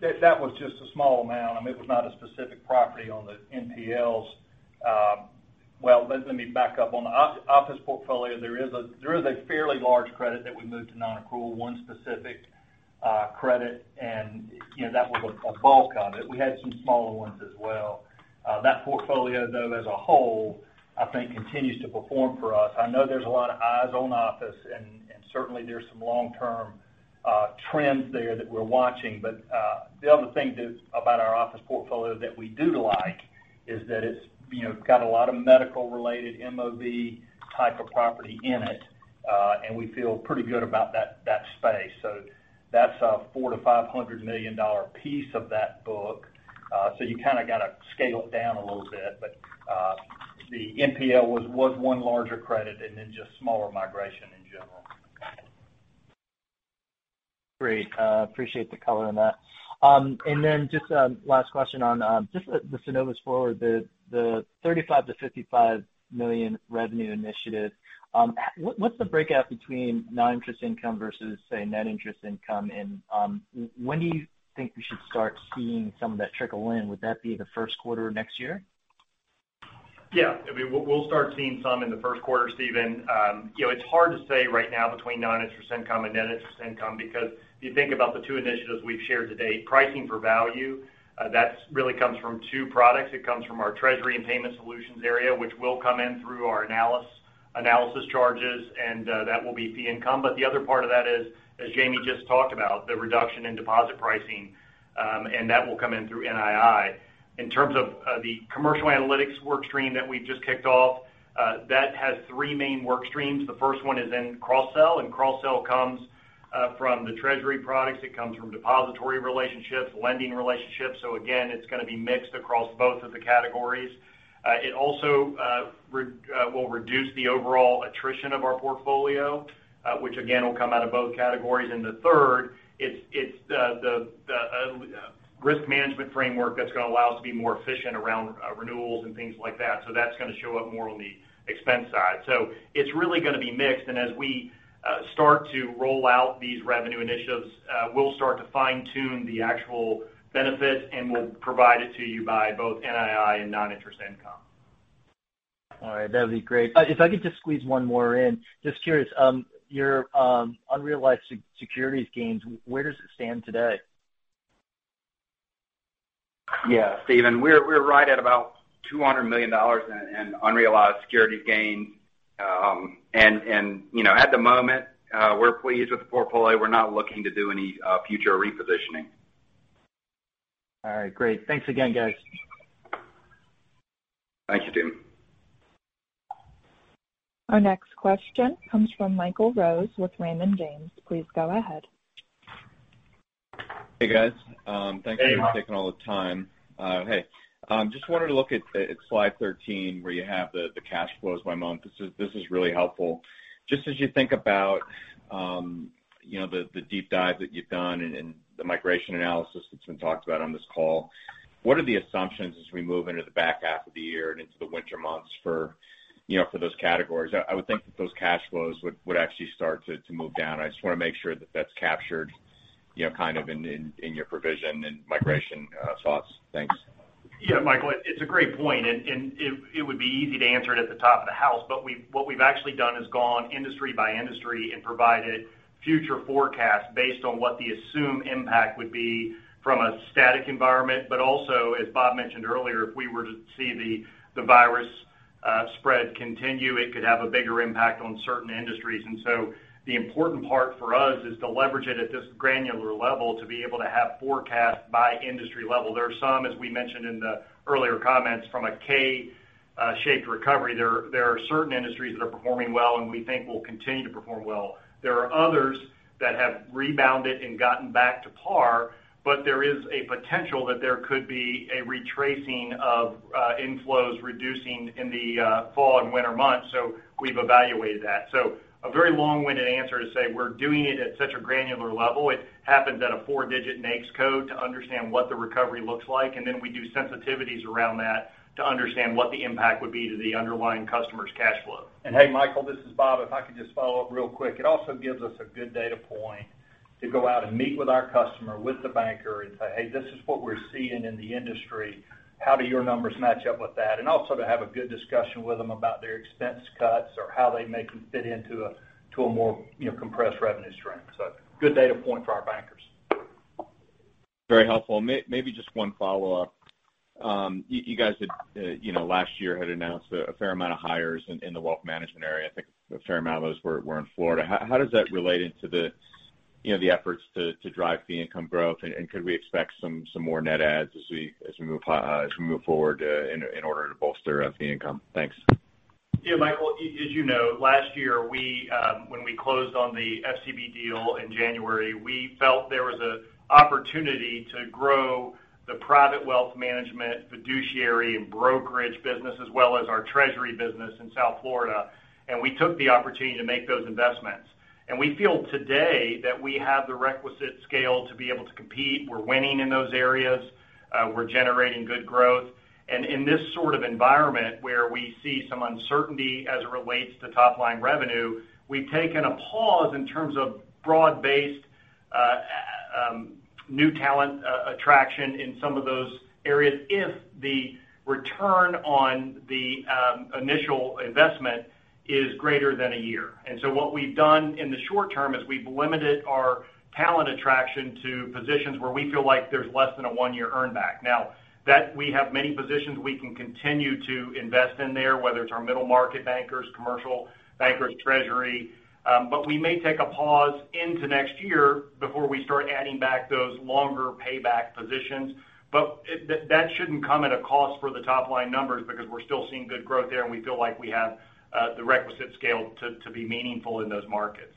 That was just a small amount. It was not a specific property on the NPLs. Well, let me back up. On the office portfolio, there is a fairly large credit that we moved to non-accrual, one specific credit, and that was a bulk of it. We had some smaller ones as well. That portfolio, though, as a whole, I think, continues to perform for us. I know there's a lot of eyes on office, and certainly, there's some long-term trends there that we're watching. The other thing about our office portfolio that we do like is that it's got a lot of medical-related MOB type of property in it. We feel pretty good about that space. That's a $400 million-$500 million piece of that book. You kind of got to scale it down a little bit. The NPL was one larger credit and then just smaller migration in general. Great. Appreciate the color on that. Just last question on just the Synovus Forward, the $35 million-$55 million revenue initiative. What's the breakout between non-interest income versus, say, net interest income? When do you think we should start seeing some of that trickle in? Would that be the first quarter of next year? Yeah. We'll start seeing some in the first quarter, Steven. It's hard to say right now between non-interest income and net interest income because if you think about the two initiatives we've shared today, pricing for value, that really comes from two products. It comes from our treasury and payment solutions area, which will come in through our analysis charges, and that will be fee income. The other part of that is, as Jamie just talked about, the reduction in deposit pricing, and that will come in through NII. In terms of the commercial analytics work stream that we've just kicked off, that has three main work streams. The first one is in cross-sell, and cross-sell comes from the treasury products. It comes from depository relationships, lending relationships. Again, it's going to be mixed across both of the categories. It also will reduce the overall attrition of our portfolio, which again, will come out of both categories. The third, it's the risk management framework that's going to allow us to be more efficient around renewals and things like that. That's going to show up more on the expense side. It's really going to be mixed. As we start to roll out these revenue initiatives, we'll start to fine-tune the actual benefit, and we'll provide it to you by both NII and non-interest income. All right. That'd be great. If I could just squeeze one more in. Just curious, your unrealized securities gains, where does it stand today? Yeah, Steven. We're right at about $200 million in unrealized securities gains. At the moment, we're pleased with the portfolio. We're not looking to do any future repositioning. All right, great. Thanks again, guys. Thank you, Steven. Our next question comes from Michael Rose with Raymond James. Please go ahead. Hey, guys. Hey, Michael. Thanks for taking the time. Hey, just wanted to look at slide 13, where you have the cash flows by month. This is really helpful. Just as you think about the deep dive that you've done and the migration analysis that's been talked about on this call, what are the assumptions as we move into the back half of the year and into the winter months for those categories? I would think that those cash flows would actually start to move down. I just want to make sure that that's captured in your provision and migration thoughts. Thanks. Yeah, Michael, it's a great point, and it would be easy to answer it at the top of the house. What we've actually done is gone industry by industry and provided future forecasts based on what the assumed impact would be from a static environment. Also, as Bob mentioned earlier, if we were to see the virus spread continue, it could have a bigger impact on certain industries. The important part for us is to leverage it at this granular level to be able to have forecasts by industry level. There are some, as we mentioned in the earlier comments, from a K-shaped recovery. There are certain industries that are performing well, and we think will continue to perform well. There are others that have rebounded and gotten back to par, but there is a potential that there could be a retracing of inflows reducing in the fall and winter months, so we've evaluated that. A very long-winded answer to say we're doing it at such a granular level. It happens at a four-digit NAICS code to understand what the recovery looks like, and then we do sensitivities around that to understand what the impact would be to the underlying customer's cash flow. Hey, Michael, this is Bob. If I could just follow up real quick. It also gives us a good data point to go out and meet with our customer, with the banker, and say, "Hey, this is what we're seeing in the industry. How do your numbers match up with that?" also to have a good discussion with them about their expense cuts or how they make them fit into a more compressed revenue stream. good data point for our bankers. Very helpful. Maybe just one follow-up. You guys, last year, had announced a fair amount of hires in the wealth management area. I think a fair amount of those were in Florida. How does that relate into the efforts to drive fee income growth? Could we expect some more net adds as we move forward in order to bolster up fee income? Thanks. Yeah, Michael, as you know, last year, when we closed on the FCB deal in January, we felt there was an opportunity to grow the private wealth management, fiduciary, and brokerage business, as well as our treasury business in South Florida, and we took the opportunity to make those investments. We feel today that we have the requisite scale to be able to compete. We're winning in those areas. We're generating good growth. In this sort of environment, where we see some uncertainty as it relates to top-line revenue, we've taken a pause in terms of broad-based new talent attraction in some of those areas if the return on the initial investment is greater than a year. What we've done in the short term is we've limited our talent attraction to positions where we feel like there's less than a one-year earn back. Now, we have many positions we can continue to invest in there, whether it's our middle-market bankers, commercial bankers, treasury. We may take a pause into next year before we start adding back those longer payback positions. That shouldn't come at a cost for the top-line numbers because we're still seeing good growth there, and we feel like we have the requisite scale to be meaningful in those markets.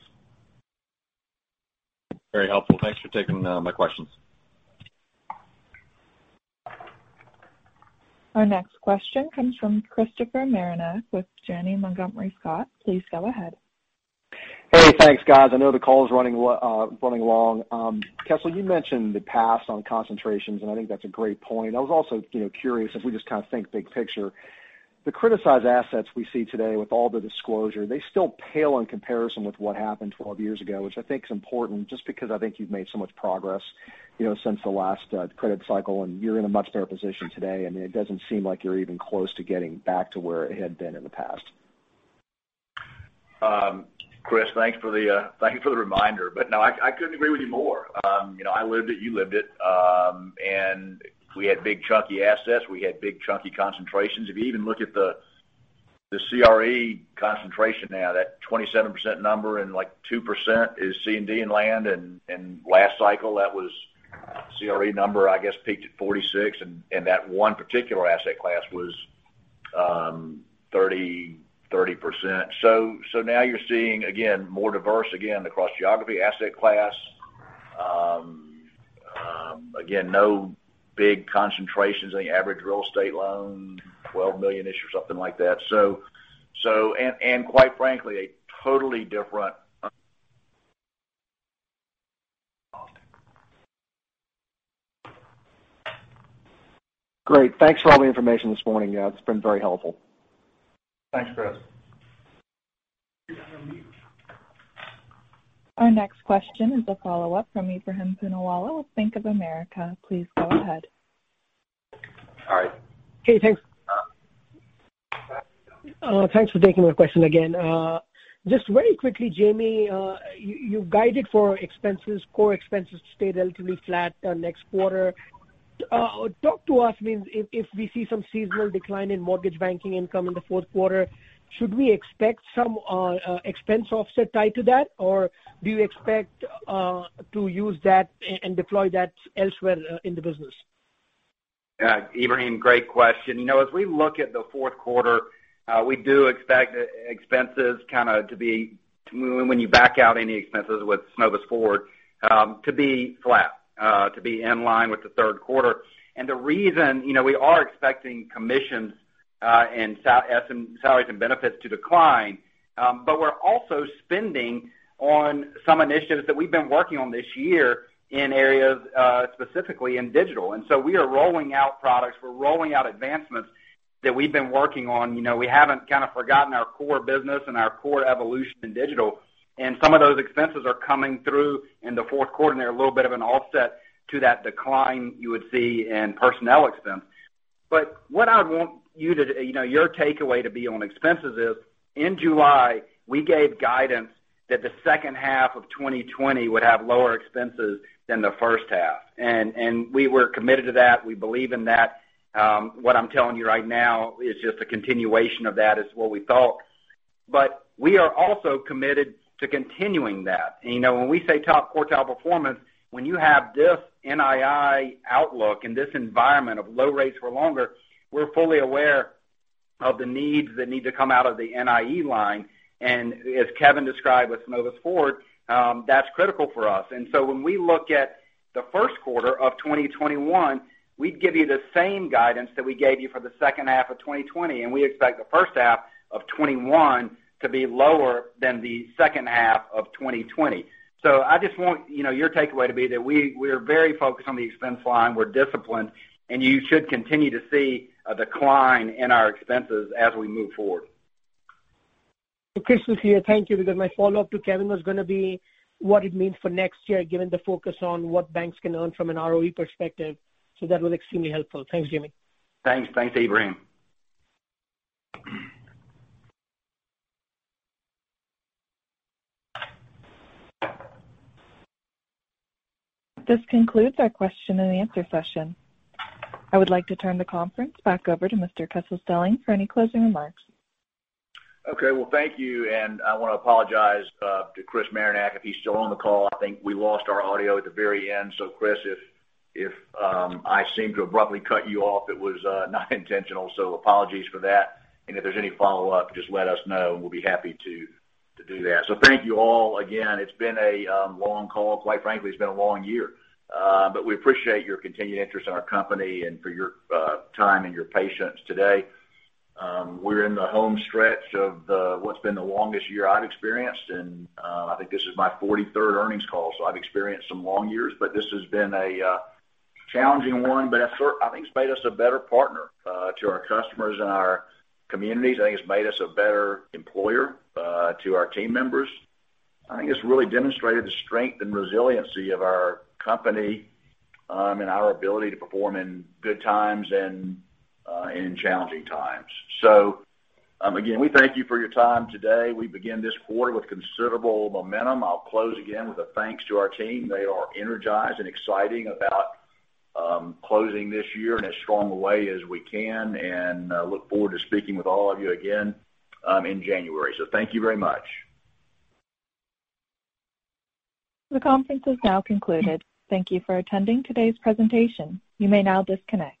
Very helpful. Thanks for taking my questions. Our next question comes from Christopher Marinac with Janney Montgomery Scott. Please go ahead. Hey, thanks guys. I know the call is running long. Kessel, you mentioned the past on concentrations, and I think that's a great point. I was also curious if we just kind of think big picture, the criticized assets we see today with all the disclosure, they still pale in comparison with what happened 12 years ago, which I think is important just because I think you've made so much progress since the last credit cycle, and you're in a much better position today, and it doesn't seem like you're even close to getting back to where it had been in the past. Chris, thank you for the reminder. No, I couldn't agree with you more. I lived it, you lived it. We had big chunky assets. We had big chunky concentrations. If you even look at the CRE concentration now, that 27% number and like 2% is C&D and land, and last cycle that was CRE number, I guess, peaked at 46, and that one particular asset class was 30%. Now you're seeing, again, more diverse, again, across geography, asset class. Again, no big concentrations. Any average real estate loan, $12 million-ish or something like that. Quite frankly, a totally different Great. Thanks for all the information this morning. It's been very helpful. Thanks, Chris. Our next question is a follow-up from Ebrahim Poonawala with Bank of America. Please go ahead. Okay, thanks. Thanks for taking my question again. Just very quickly, Jamie, you've guided for expenses, core expenses to stay relatively flat next quarter. Talk to us, if we see some seasonal decline in mortgage banking income in the fourth quarter, should we expect some expense offset tied to that? Do you expect to use that and deploy that elsewhere in the business? Yeah. Ebrahim, great question. As we look at the fourth quarter, we do expect expenses kind of to be, when you back out any expenses with Synovus Forward, to be flat, to be in line with the third quarter. The reason, we are expecting commissions and salaries and benefits to decline, but we're also spending on some initiatives that we've been working on this year in areas, specifically in digital. We are rolling out products, we're rolling out advancements that we've been working on. We haven't kind of forgotten our core business and our core evolution in digital, and some of those expenses are coming through in the fourth quarter, they're a little bit of an offset to that decline you would see in personnel expense. What I want your takeaway to be on expenses is, in July, we gave guidance that the second half of 2020 would have lower expenses than the first half. We were committed to that. We believe in that. What I'm telling you right now is just a continuation of that, is what we thought. We are also committed to continuing that. When we say top quartile performance, when you have this NII outlook and this environment of low rates for longer, we're fully aware of the needs that need to come out of the NIE line. As Kevin described with Synovus Forward, that's critical for us. When we look at the first quarter of 2021, we'd give you the same guidance that we gave you for the second half of 2020, and we expect the first half of 2021 to be lower than the second half of 2020. I just want your takeaway to be that we're very focused on the expense line. We're disciplined, and you should continue to see a decline in our expenses as we move forward. Thank you, because my follow-up to Kevin was going to be what it means for next year, given the focus on what banks can earn from an ROE perspective. That was extremely helpful. Thanks, Jamie. Thanks. Thanks, Ebrahim. This concludes our question and answer session. I would like to turn the conference back over to Mr. Kessel Stelling for any closing remarks. Okay. Well, thank you, and I want to apologize to Chris Marinac, if he's still on the call. I think we lost our audio at the very end. Chris, if I seemed to abruptly cut you off, it was not intentional. Apologies for that. If there's any follow-up, just let us know and we'll be happy to do that. Thank you all again. It's been a long call. Quite frankly, it's been a long year. We appreciate your continued interest in our company and for your time and your patience today. We're in the home stretch of what's been the longest year I've experienced, and I think this is my 43rd earnings call. I've experienced some long years, but this has been a challenging one, but I think it's made us a better partner to our customers and our communities. I think it's made us a better employer to our team members. I think it's really demonstrated the strength and resiliency of our company and our ability to perform in good times and in challenging times. Again, we thank you for your time today. We begin this quarter with considerable momentum. I'll close again with a thanks to our team. They are energized and excited about closing this year in as strong a way as we can, and I look forward to speaking with all of you again in January. Thank you very much. The conference is now concluded. Thank you for attending today's presentation. You may now disconnect.